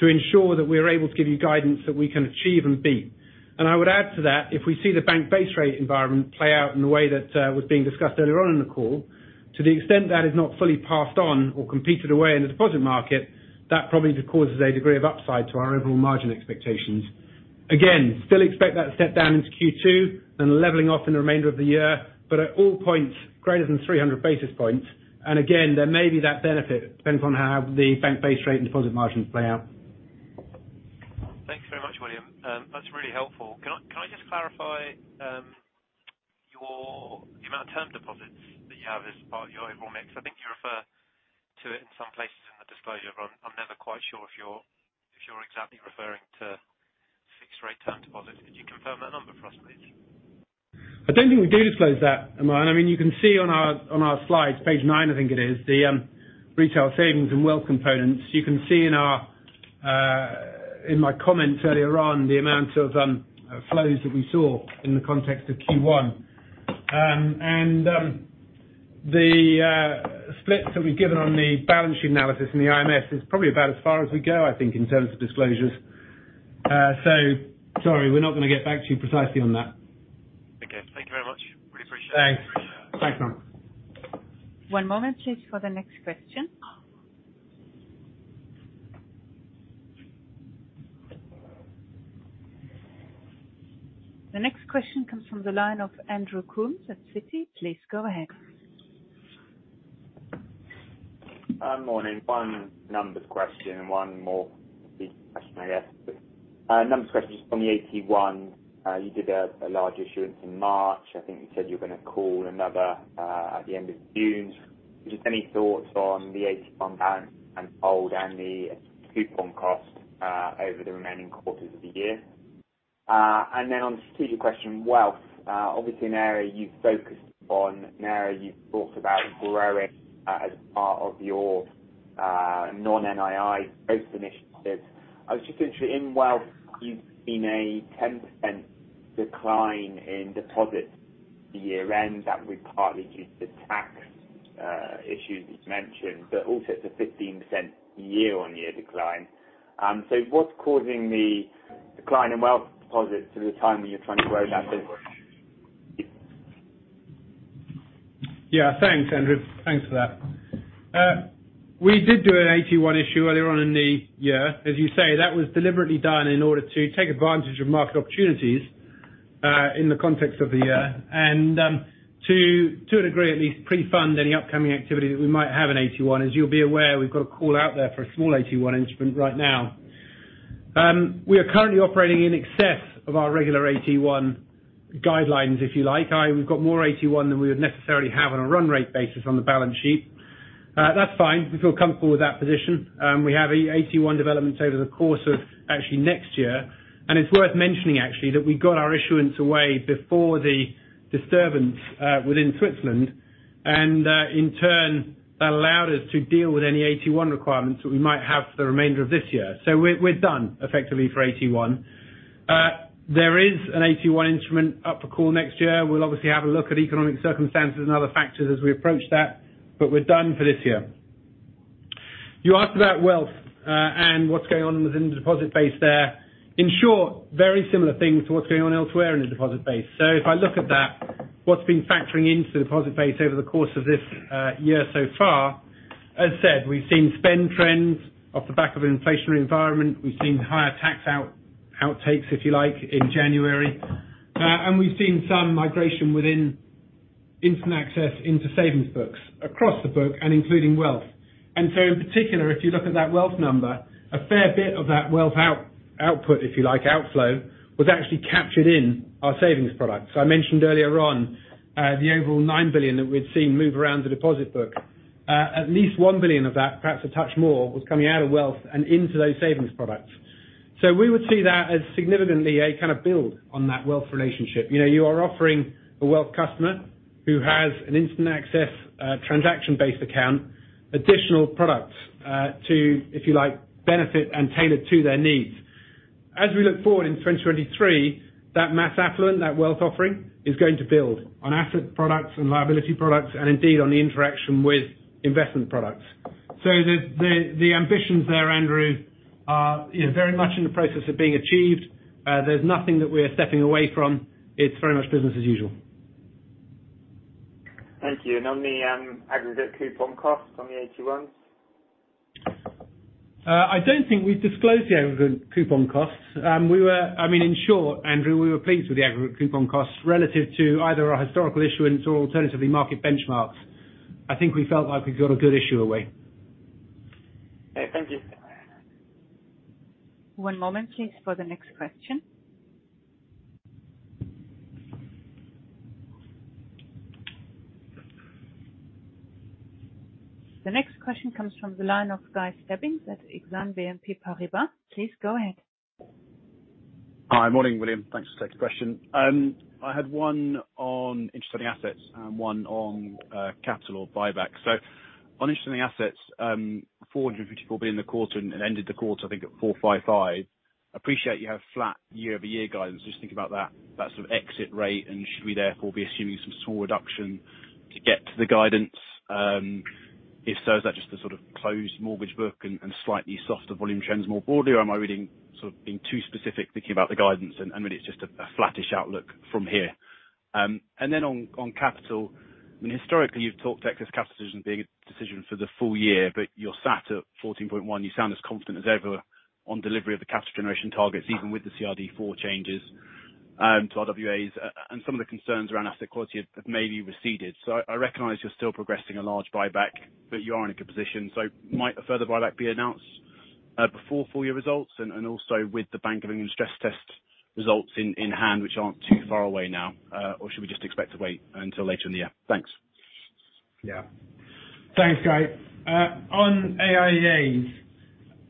to ensure that we're able to give you guidance that we can achieve and beat. I would add to that, if we see the bank base rate environment play out in the way that was being discussed earlier on in the call, to the extent that is not fully passed on or competed away in the deposit market, that probably just causes a degree of upside to our overall margin expectations. Again, still expect that step down into Q2 and leveling off in the remainder of the year, but at all points greater than 300 basis points. Again, there may be that benefit. Depends on how the bank base rate and deposit margins play out. Thanks very much, William. That's really helpful. Can I just clarify the amount of term deposits that you have as part of your overall mix? I think you refer to it in some places in the disclosure, but I'm never quite sure if you're exactly referring to fixed rate term deposits. Could you confirm that number for us, please? I don't think we do disclose that, Aman. I mean, you can see on our, on our slides, page nine I think it is, the retail savings and wealth components. You can see in our, in my comments earlier on, the amount of flows that we saw in the context of Q1. The splits that we've given on the balance sheet analysis in the IMS is probably about as far as we go, I think, in terms of disclosures. Sorry, we're not gonna get back to you precisely on that. Okay. Thank you very much. Really appreciate it. Thanks. Thanks, Aman. One moment, please, for the next question. The next question comes from the line of Andrew Coombs at Citi. Please go ahead. Morning. One numbers question and one more big question, I guess. Numbers question just on the AT1. You did a large issuance in March. I think you said you're gonna call another at the end of June. Just any thoughts on the AT1 balance and hold and the coupon cost over the remaining quarters of the year? Then on the strategic question, wealth, obviously an area you've focused on, an area you've talked about growing as part of your non-NII growth initiatives. I was just interested, in wealth you've seen a 10% decline in deposits The year end, that would partly due to the tax, issue that you mentioned, but also it's a 15% year on year decline. What's causing the decline in wealth deposits at a time when you're trying to grow that business? Yeah. Thanks, Andrew. Thanks for that. We did do an AT1 issue earlier on in the year. As you say, that was deliberately done in order to take advantage of market opportunities in the context of the year. To a degree, at least pre-fund any upcoming activity that we might have in AT1. As you'll be aware, we've got a call out there for a small AT1 instrument right now. We are currently operating in excess of our regular AT1 guidelines, if you like. We've got more AT1 than we would necessarily have on a run rate basis on the balance sheet. That's fine. We feel comfortable with that position. We have AT1 developments over the course of actually next year. It's worth mentioning actually, that we got our issuance away before the disturbance within Switzerland, in turn, that allowed us to deal with any AT1 requirements that we might have for the remainder of this year. We're done effectively for AT1. There is an AT1 instrument up for call next year. We'll obviously have a look at economic circumstances and other factors as we approach that, but we're done for this year. You asked about wealth and what's going on within the deposit base there. In short, very similar thing to what's going on elsewhere in the deposit base. If I look at that, what's been factoring into the deposit base over the course of this year so far, as said, we've seen spend trends off the back of an inflationary environment. We've seen higher tax outtakes, if you like, in January. We've seen some migration within instant access into savings books across the book, including wealth. In particular, if you look at that wealth number, a fair bit of that wealth output, if you like, outflow, was actually captured in our savings products. I mentioned earlier on, the overall 9 billion that we'd seen move around the deposit book. At least 1 billion of that, perhaps a touch more, was coming out of wealth and into those savings products. We would see that as significantly a kind of build on that wealth relationship. You know, you are offering a wealth customer who has an instant access, transaction based account, additional products, to, if you like, benefit and tailored to their needs. As we look forward in 2023, that mass affluent, that wealth offering is going to build on asset products and liability products and indeed on the interaction with investment products. The ambitions there, Andrew, are, you know, very much in the process of being achieved. There's nothing that we're stepping away from. It's very much business as usual. Thank you. On the aggregate coupon cost on the AT ones? I don't think we've disclosed the aggregate coupon costs. I mean, in short, Andrew, we were pleased with the aggregate coupon costs relative to either our historical issuance or alternatively market benchmarks. I think we felt like we got a good issue away. Okay. Thank you. One moment please for the next question. The next question comes from the line of Guy Stebbings at Exane BNP Paribas. Please go ahead. Hi. Morning, William. Thanks for taking the question. I had one on interest on the assets and one on capital buyback. On interest on the assets, 454 billion in the quarter and ended the quarter, I think at 455 billion. Appreciate you have flat year-over-year guidance. Just thinking about that sort of exit rate and should we therefore be assuming some small reduction to get to the guidance? If so, is that just the sort of closed mortgage book and slightly softer volume trends more broadly? Am I reading sort of being too specific thinking about the guidance and really it's just a flattish outlook from here. On, on capital, I mean, historically you've talked excess capital decision being a decision for the full year, but you're sat at 14.1%. You sound as confident as ever on delivery of the capital generation targets, even with the CRD IV changes to RWAs. Some of the concerns around asset quality have maybe receded. I recognize you're still progressing a large buyback, but you are in a good position. Might a further buyback be announced before full year results and also with the Bank of England stress test results in hand, which aren't too far away now? Should we just expect to wait until later in the year? Thanks. Yeah. Thanks, Guy. On AIAs,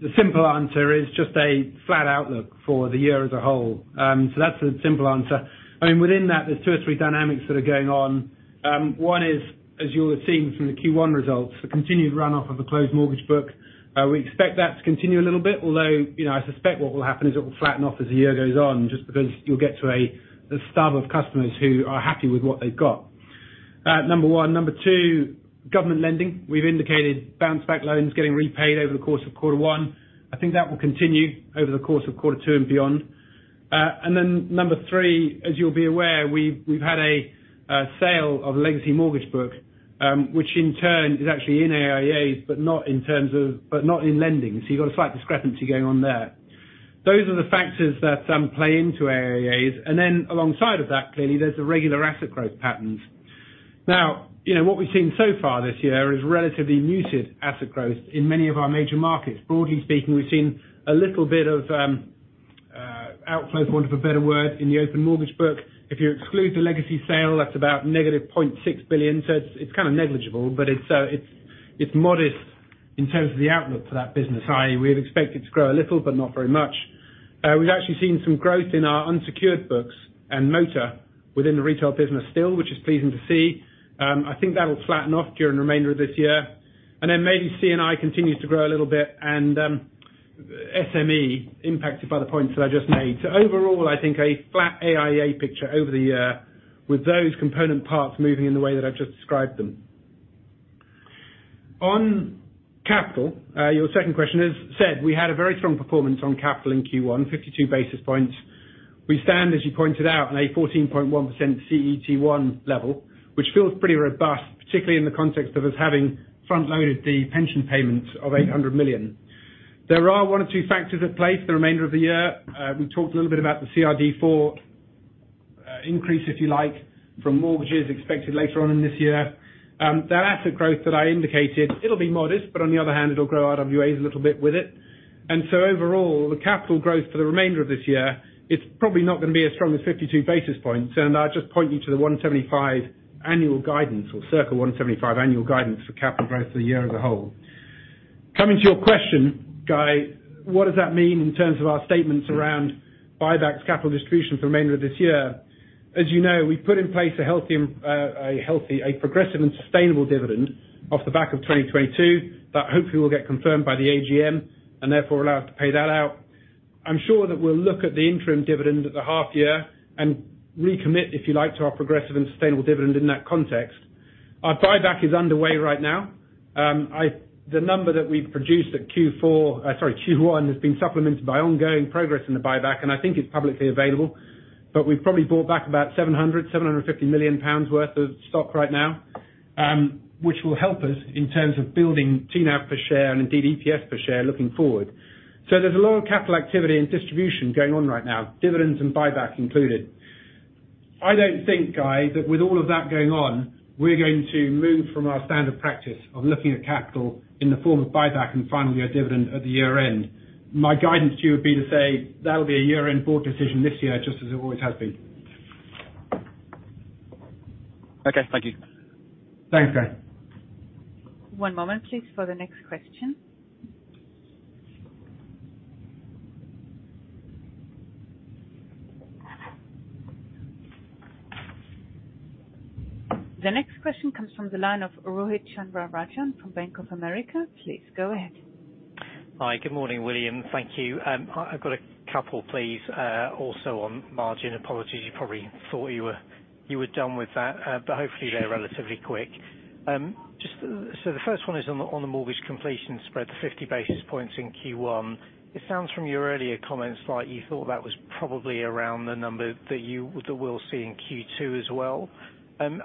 the simple answer is just a flat outlook for the year as a whole. That's a simple answer. I mean, within that, there's two or three dynamics that are going on. One is, as you'll have seen from the Q1 results, the continued runoff of a closed mortgage book. We expect that to continue a little bit, although, you know, I suspect what will happen is it will flatten off as the year goes on, just because you'll get to a stub of customers who are happy with what they've got. Number one. Number two, government lending. We've indicated Bounce Back Loans getting repaid over the course of Q1. I think that will continue over the course of Q2 and beyond. Three, as you'll be aware, we've had a sale of legacy mortgage book, which in turn is actually in AIEA, but not in lending. You've got a slight discrepancy going on there. Those are the factors that play into AIEA. Alongside of that, clearly there's the regular asset growth patterns. Now, you know, what we've seen so far this year is relatively muted asset growth in many of our major markets. Broadly speaking, we've seen a little bit of outflow, for want of a better word, in the open mortgage book. If you exclude the legacy sale, that's about negative 0.6 billion. It's kind of negligible, but it's modest in terms of the outlook for that business, i.e. We'd expect it to grow a little, but not very much. We've actually seen some growth in our unsecured books and motor within the retail business still, which is pleasing to see. I think that'll flatten off during the remainder of this year. Maybe CNI continues to grow a little bit and SME impacted by the points that I just made. Overall, I think a flat AIA picture over the year with those component parts moving in the way that I've just described them. On capital, your second question is said we had a very strong performance on capital in Q1, 52 basis points. We stand, as you pointed out, in a 14.1% CET1 level, which feels pretty robust, particularly in the context of us having front-loaded the pension payments of 800 million. There are one or two factors at play for the remainder of the year. We talked a little bit about the CRD4 increase, if you like, from mortgages expected later on in this year. That asset growth that I indicated, it'll be modest, but on the other hand, it'll grow RWAs a little bit with it. Overall, the capital growth for the remainder of this year, it's probably not gonna be as strong as 52 basis points. I'll just point you to the 175 annual guidance or circle 175 annual guidance for capital growth for the year as a whole. Coming to your question, Guy, what does that mean in terms of our statements around buybacks, capital distribution for the remainder of this year? As you know, we've put in place a progressive and sustainable dividend off the back of 2022 that hopefully will get confirmed by the AGM and therefore allow us to pay that out. I'm sure that we'll look at the interim dividend at the half year and recommit, if you like, to our progressive and sustainable dividend in that context. Our buyback is underway right now. The number that we've produced at Q1 has been supplemented by ongoing progress in the buyback, I think it's publicly available. We've probably bought back about 750 million pounds worth of stock right now, which will help us in terms of building TNAV per share and indeed EPS per share looking forward. There's a lot of capital activity and distribution going on right now, dividends and buyback included. I don't think, Guy, that with all of that going on, we're going to move from our standard practice of looking at capital in the form of buyback and finally our dividend at the year-end. My guidance to you would be to say that'll be a year-end board decision this year, just as it always has been. Okay. Thank you. Thanks, Guy. One moment, please, for the next question. The next question comes from the line of Rohith Chandrarajan from Bank of America. Please go ahead. Hi. Good morning, William. Thank you. I've got a couple please, also on margin. Apologies, you probably thought you were done with that, but hopefully they're relatively quick. The first one is on the mortgage completion spread, the 50 basis points in Q1. It sounds from your earlier comments like you thought that was probably around the number that we'll see in Q2 as well. firstly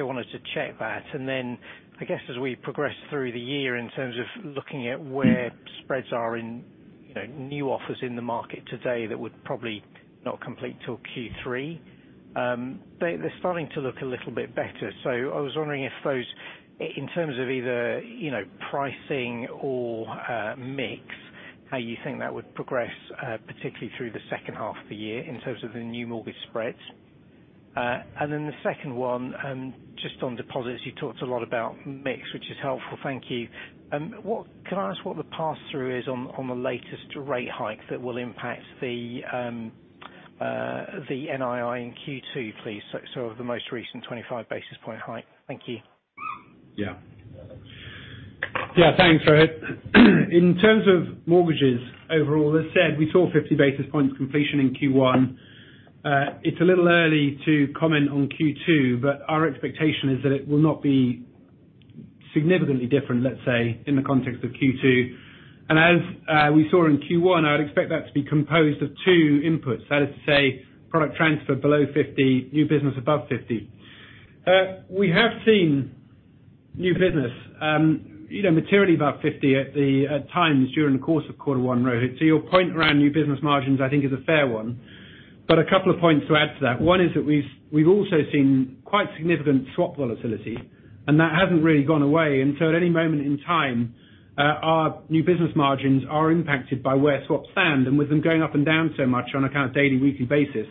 I wanted to check that, and then I guess as we progress through the year in terms of looking at where spreads are in, you know, new offers in the market today that would probably not complete till Q3, they're starting to look a little bit better. I was wondering if those in terms of either, you know, pricing or mix, how you think that would progress particularly through the second half of the year in terms of the new mortgage spreads? The second one, just on deposits, you talked a lot about mix, which is helpful. Thank you. What... Can I ask what the pass-through is on the latest rate hike that will impact the NII in Q2, please? Sort of the most recent 25 basis point hike. Thank you. Yeah. Yeah. Thanks, Rohith. In terms of mortgages overall, as said, we saw 50 basis points completion in Q1. It's a little early to comment on Q2, but our expectation is that it will not be significantly different, let's say, in the context of Q2. As we saw in Q1, I would expect that to be composed of two inputs. That is to say product transfer below 50, new business above 50. We have seen new business, you know, materially above 50 at times during the course of quarter one, Rohith. Your point around new business margins I think is a fair one. A couple of points to add to that. One is that we've also seen quite significant swap volatility, and that hasn't really gone away. At any moment in time, our new business margins are impacted by where swaps stand, and with them going up and down so much on a kind of daily, weekly basis,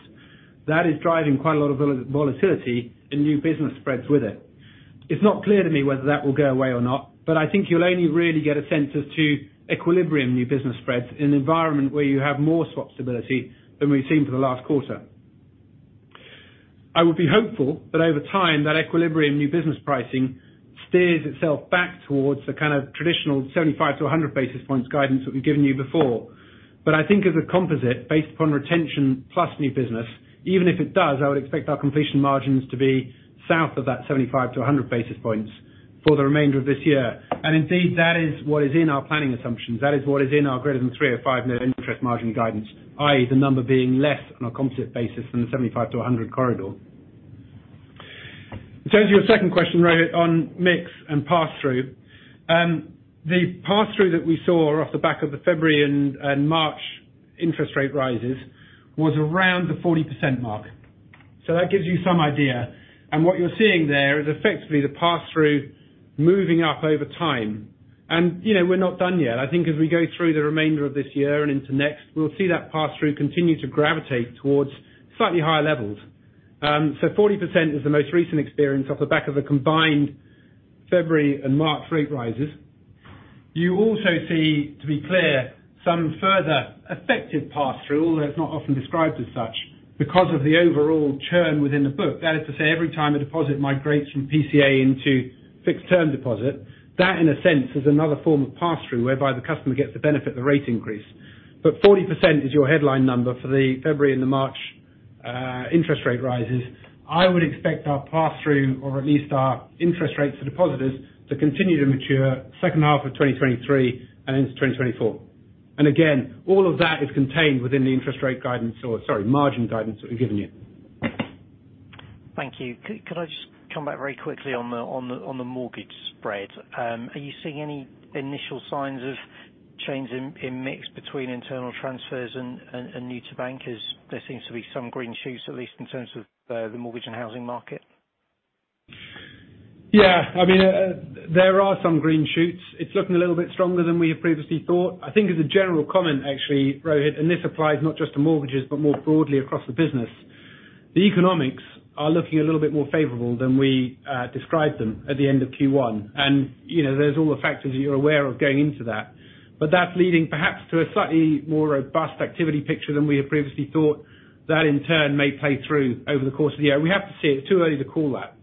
that is driving quite a lot of volatility and new business spreads with it. It's not clear to me whether that will go away or not, but I think you'll only really get a sense as to equilibrium new business spreads in an environment where you have more swap stability than we've seen for the last quarter. I would be hopeful that over time, that equilibrium new business pricing steers itself back towards the kind of traditional 75 basis points-100 basis points guidance that we've given you before. I think as a composite based upon retention plus new business, even if it does, I would expect our completion margins to be south of that 75 basis points-100 basis points for the remainder of this year. Indeed, that is what is in our planning assumptions. That is what is in our greater than three or five net interest margin guidance, i.e. the number being less on a composite basis than the 75 corridor-100 corridor. In terms of your second question, Rohit, on mix and pass-through, the pass-through that we saw off the back of the February and March interest rate rises was around the 40% mark. That gives you some idea. What you're seeing there is effectively the pass-through moving up over time. You know, we're not done yet. I think as we go through the remainder of this year and into next, we'll see that pass-through continue to gravitate towards slightly higher levels. 40% is the most recent experience off the back of the combined February and March rate rises. You also see, to be clear, some further effective pass-through, although it's not often described as such, because of the overall churn within the book. That is to say every time a deposit migrates from PCA into fixed term deposit, that in a sense is another form of pass-through whereby the customer gets the benefit of the rate increase. 40% is your headline number for the February and the March interest rate rises. I would expect our pass-through, or at least our interest rates for depositors, to continue to mature second half of 2023 and into 2024. All of that is contained within the interest rate guidance or sorry, margin guidance that we've given you. Thank you. Could I just come back very quickly on the mortgage spread? Are you seeing any initial signs of change in mix between internal transfers and new to bank as there seems to be some green shoots, at least in terms of the mortgage and housing market? Yeah. I mean, there are some green shoots. It's looking a little bit stronger than we had previously thought. I think as a general comment actually, Rohith, and this applies not just to mortgages but more broadly across the business, the economics are looking a little bit more favorable than we described them at the end of Q1. You know, there's all the factors that you're aware of going into that. That's leading perhaps to a slightly more robust activity picture than we had previously thought. That in turn may play through over the course of the year. We have to see. It's too early to call that.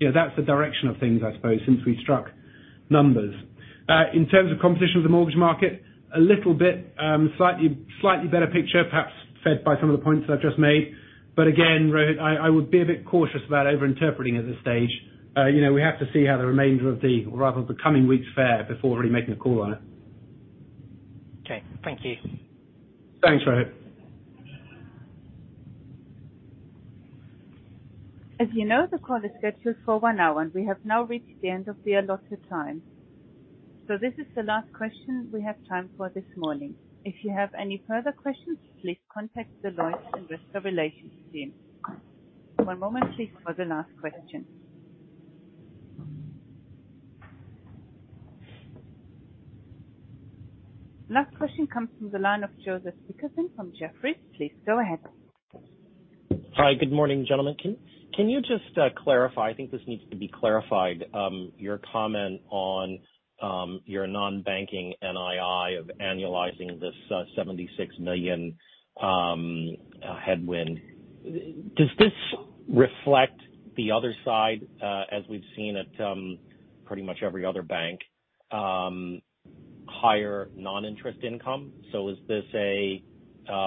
You know, that's the direction of things, I suppose, since we struck numbers. In terms of competition with the mortgage market, a little bit, slightly better picture, perhaps fed by some of the points that I've just made. Again, Rohit, I would be a bit cautious about overinterpreting at this stage. You know, we have to see how the coming weeks fare before really making a call on it. Okay. Thank you. Thanks, Rohit. As you know, the call is scheduled for 1 hour. We have now reached the end of the allotted time. This is the last question we have time for this morning. If you have any further questions, please contact the Lloyds Investor Relations team. One moment, please, for the last question. Last question comes from the line of Joseph Dickerson from Jefferies. Please go ahead. Hi. Good morning, gentlemen. Can you just clarify, I think this needs to be clarified, your comment on your non-banking NII of annualizing this 76 million headwind. Does this reflect the other side, as we've seen at pretty much every other bank, higher non-interest income? Is this a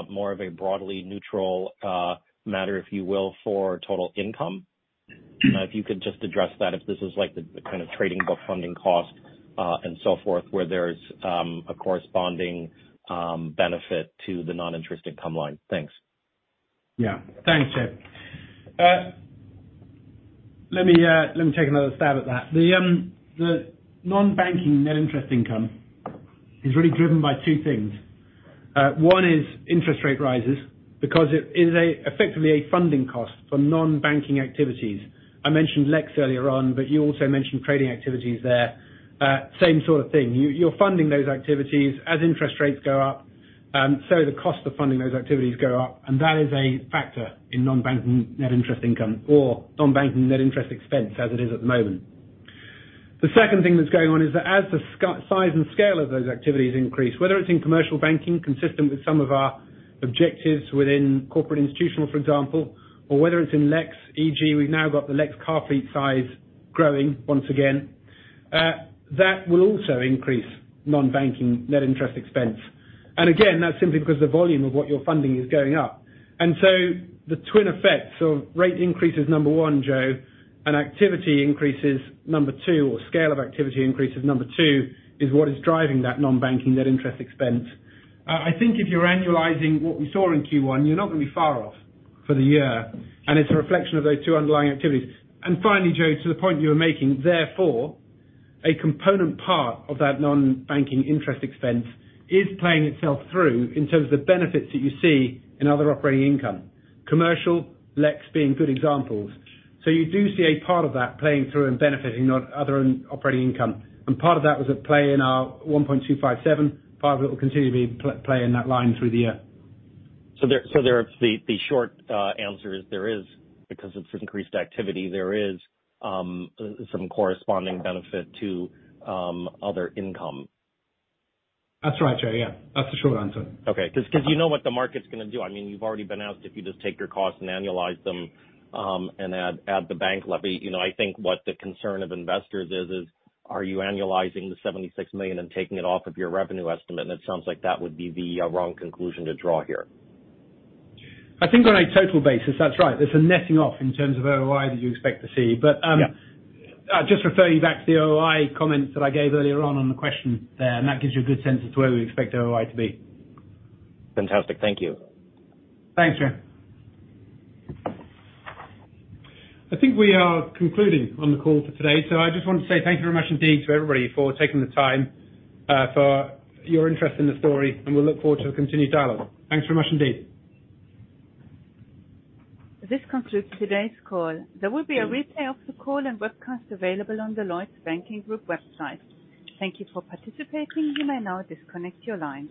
more of a broadly neutral matter, if you will, for total income? If you could just address that, if this is like the kind of trading book funding cost and so forth, where there's a corresponding benefit to the non-interest income line. Thanks. Yeah. Thanks, Joe. Let me take another stab at that. The non-banking net interest income is really driven by two things. One is interest rate rises because it is effectively a funding cost for non-banking activities. I mentioned Lex earlier on, but you also mentioned trading activities there. Same sort of thing. You, you're funding those activities as interest rates go up, so the cost of funding those activities go up, and that is a factor in non-banking net interest income or non-banking net interest expense as it is at the moment. The second thing that's going on is that as the size and scale of those activities increase, whether it's in commercial banking, consistent with some of our objectives within corporate institutional, for example, or whether it's in Lex, e.g., we've now got the Lex car fleet size growing once again, that will also increase non-banking net interest expense. Again, that's simply because the volume of what you're funding is going up. The twin effects of rate increase is number one, Joe, and activity increase is number two or scale of activity increase is number two, is what is driving that non-banking net interest expense. I think if you're annualizing what we saw in Q1, you're not gonna be far off for the year, and it's a reflection of those two underlying activities. Finally, Joe, to the point you were making, therefore, a component part of that non-banking interest expense is playing itself through in terms of the benefits that you see in other operating income. Commercial, Lex being good examples. You do see a part of that playing through and benefiting other operating income. Part of that was at play in our 1.257, however it will continue to be play in that line through the year. There the short answer is there is, because of increased activity, there is some corresponding benefit to other income. That's right, Joe. Yeah. That's the short answer. Okay. 'Cause you know what the market's gonna do. I mean, you've already been asked if you just take your costs and annualize them, and add the bank levy. You know, I think what the concern of investors is are you annualizing the 76 million and taking it off of your revenue estimate? It sounds like that would be the wrong conclusion to draw here. I think on a total basis that's right. There's a netting off in terms of ROI that you expect to see. Yeah. I'll just refer you back to the ROI comments that I gave earlier on on the question there. That gives you a good sense as to where we expect ROI to be. Fantastic. Thank you. Thanks, Joe. I think we are concluding on the call for today. I just want to say thank you very much indeed to everybody for taking the time, for your interest in the story, and we look forward to a continued dialogue. Thanks very much indeed. This concludes today's call. There will be a replay of the call and webcast available on the Lloyds Banking Group website. Thank you for participating. You may now disconnect your line.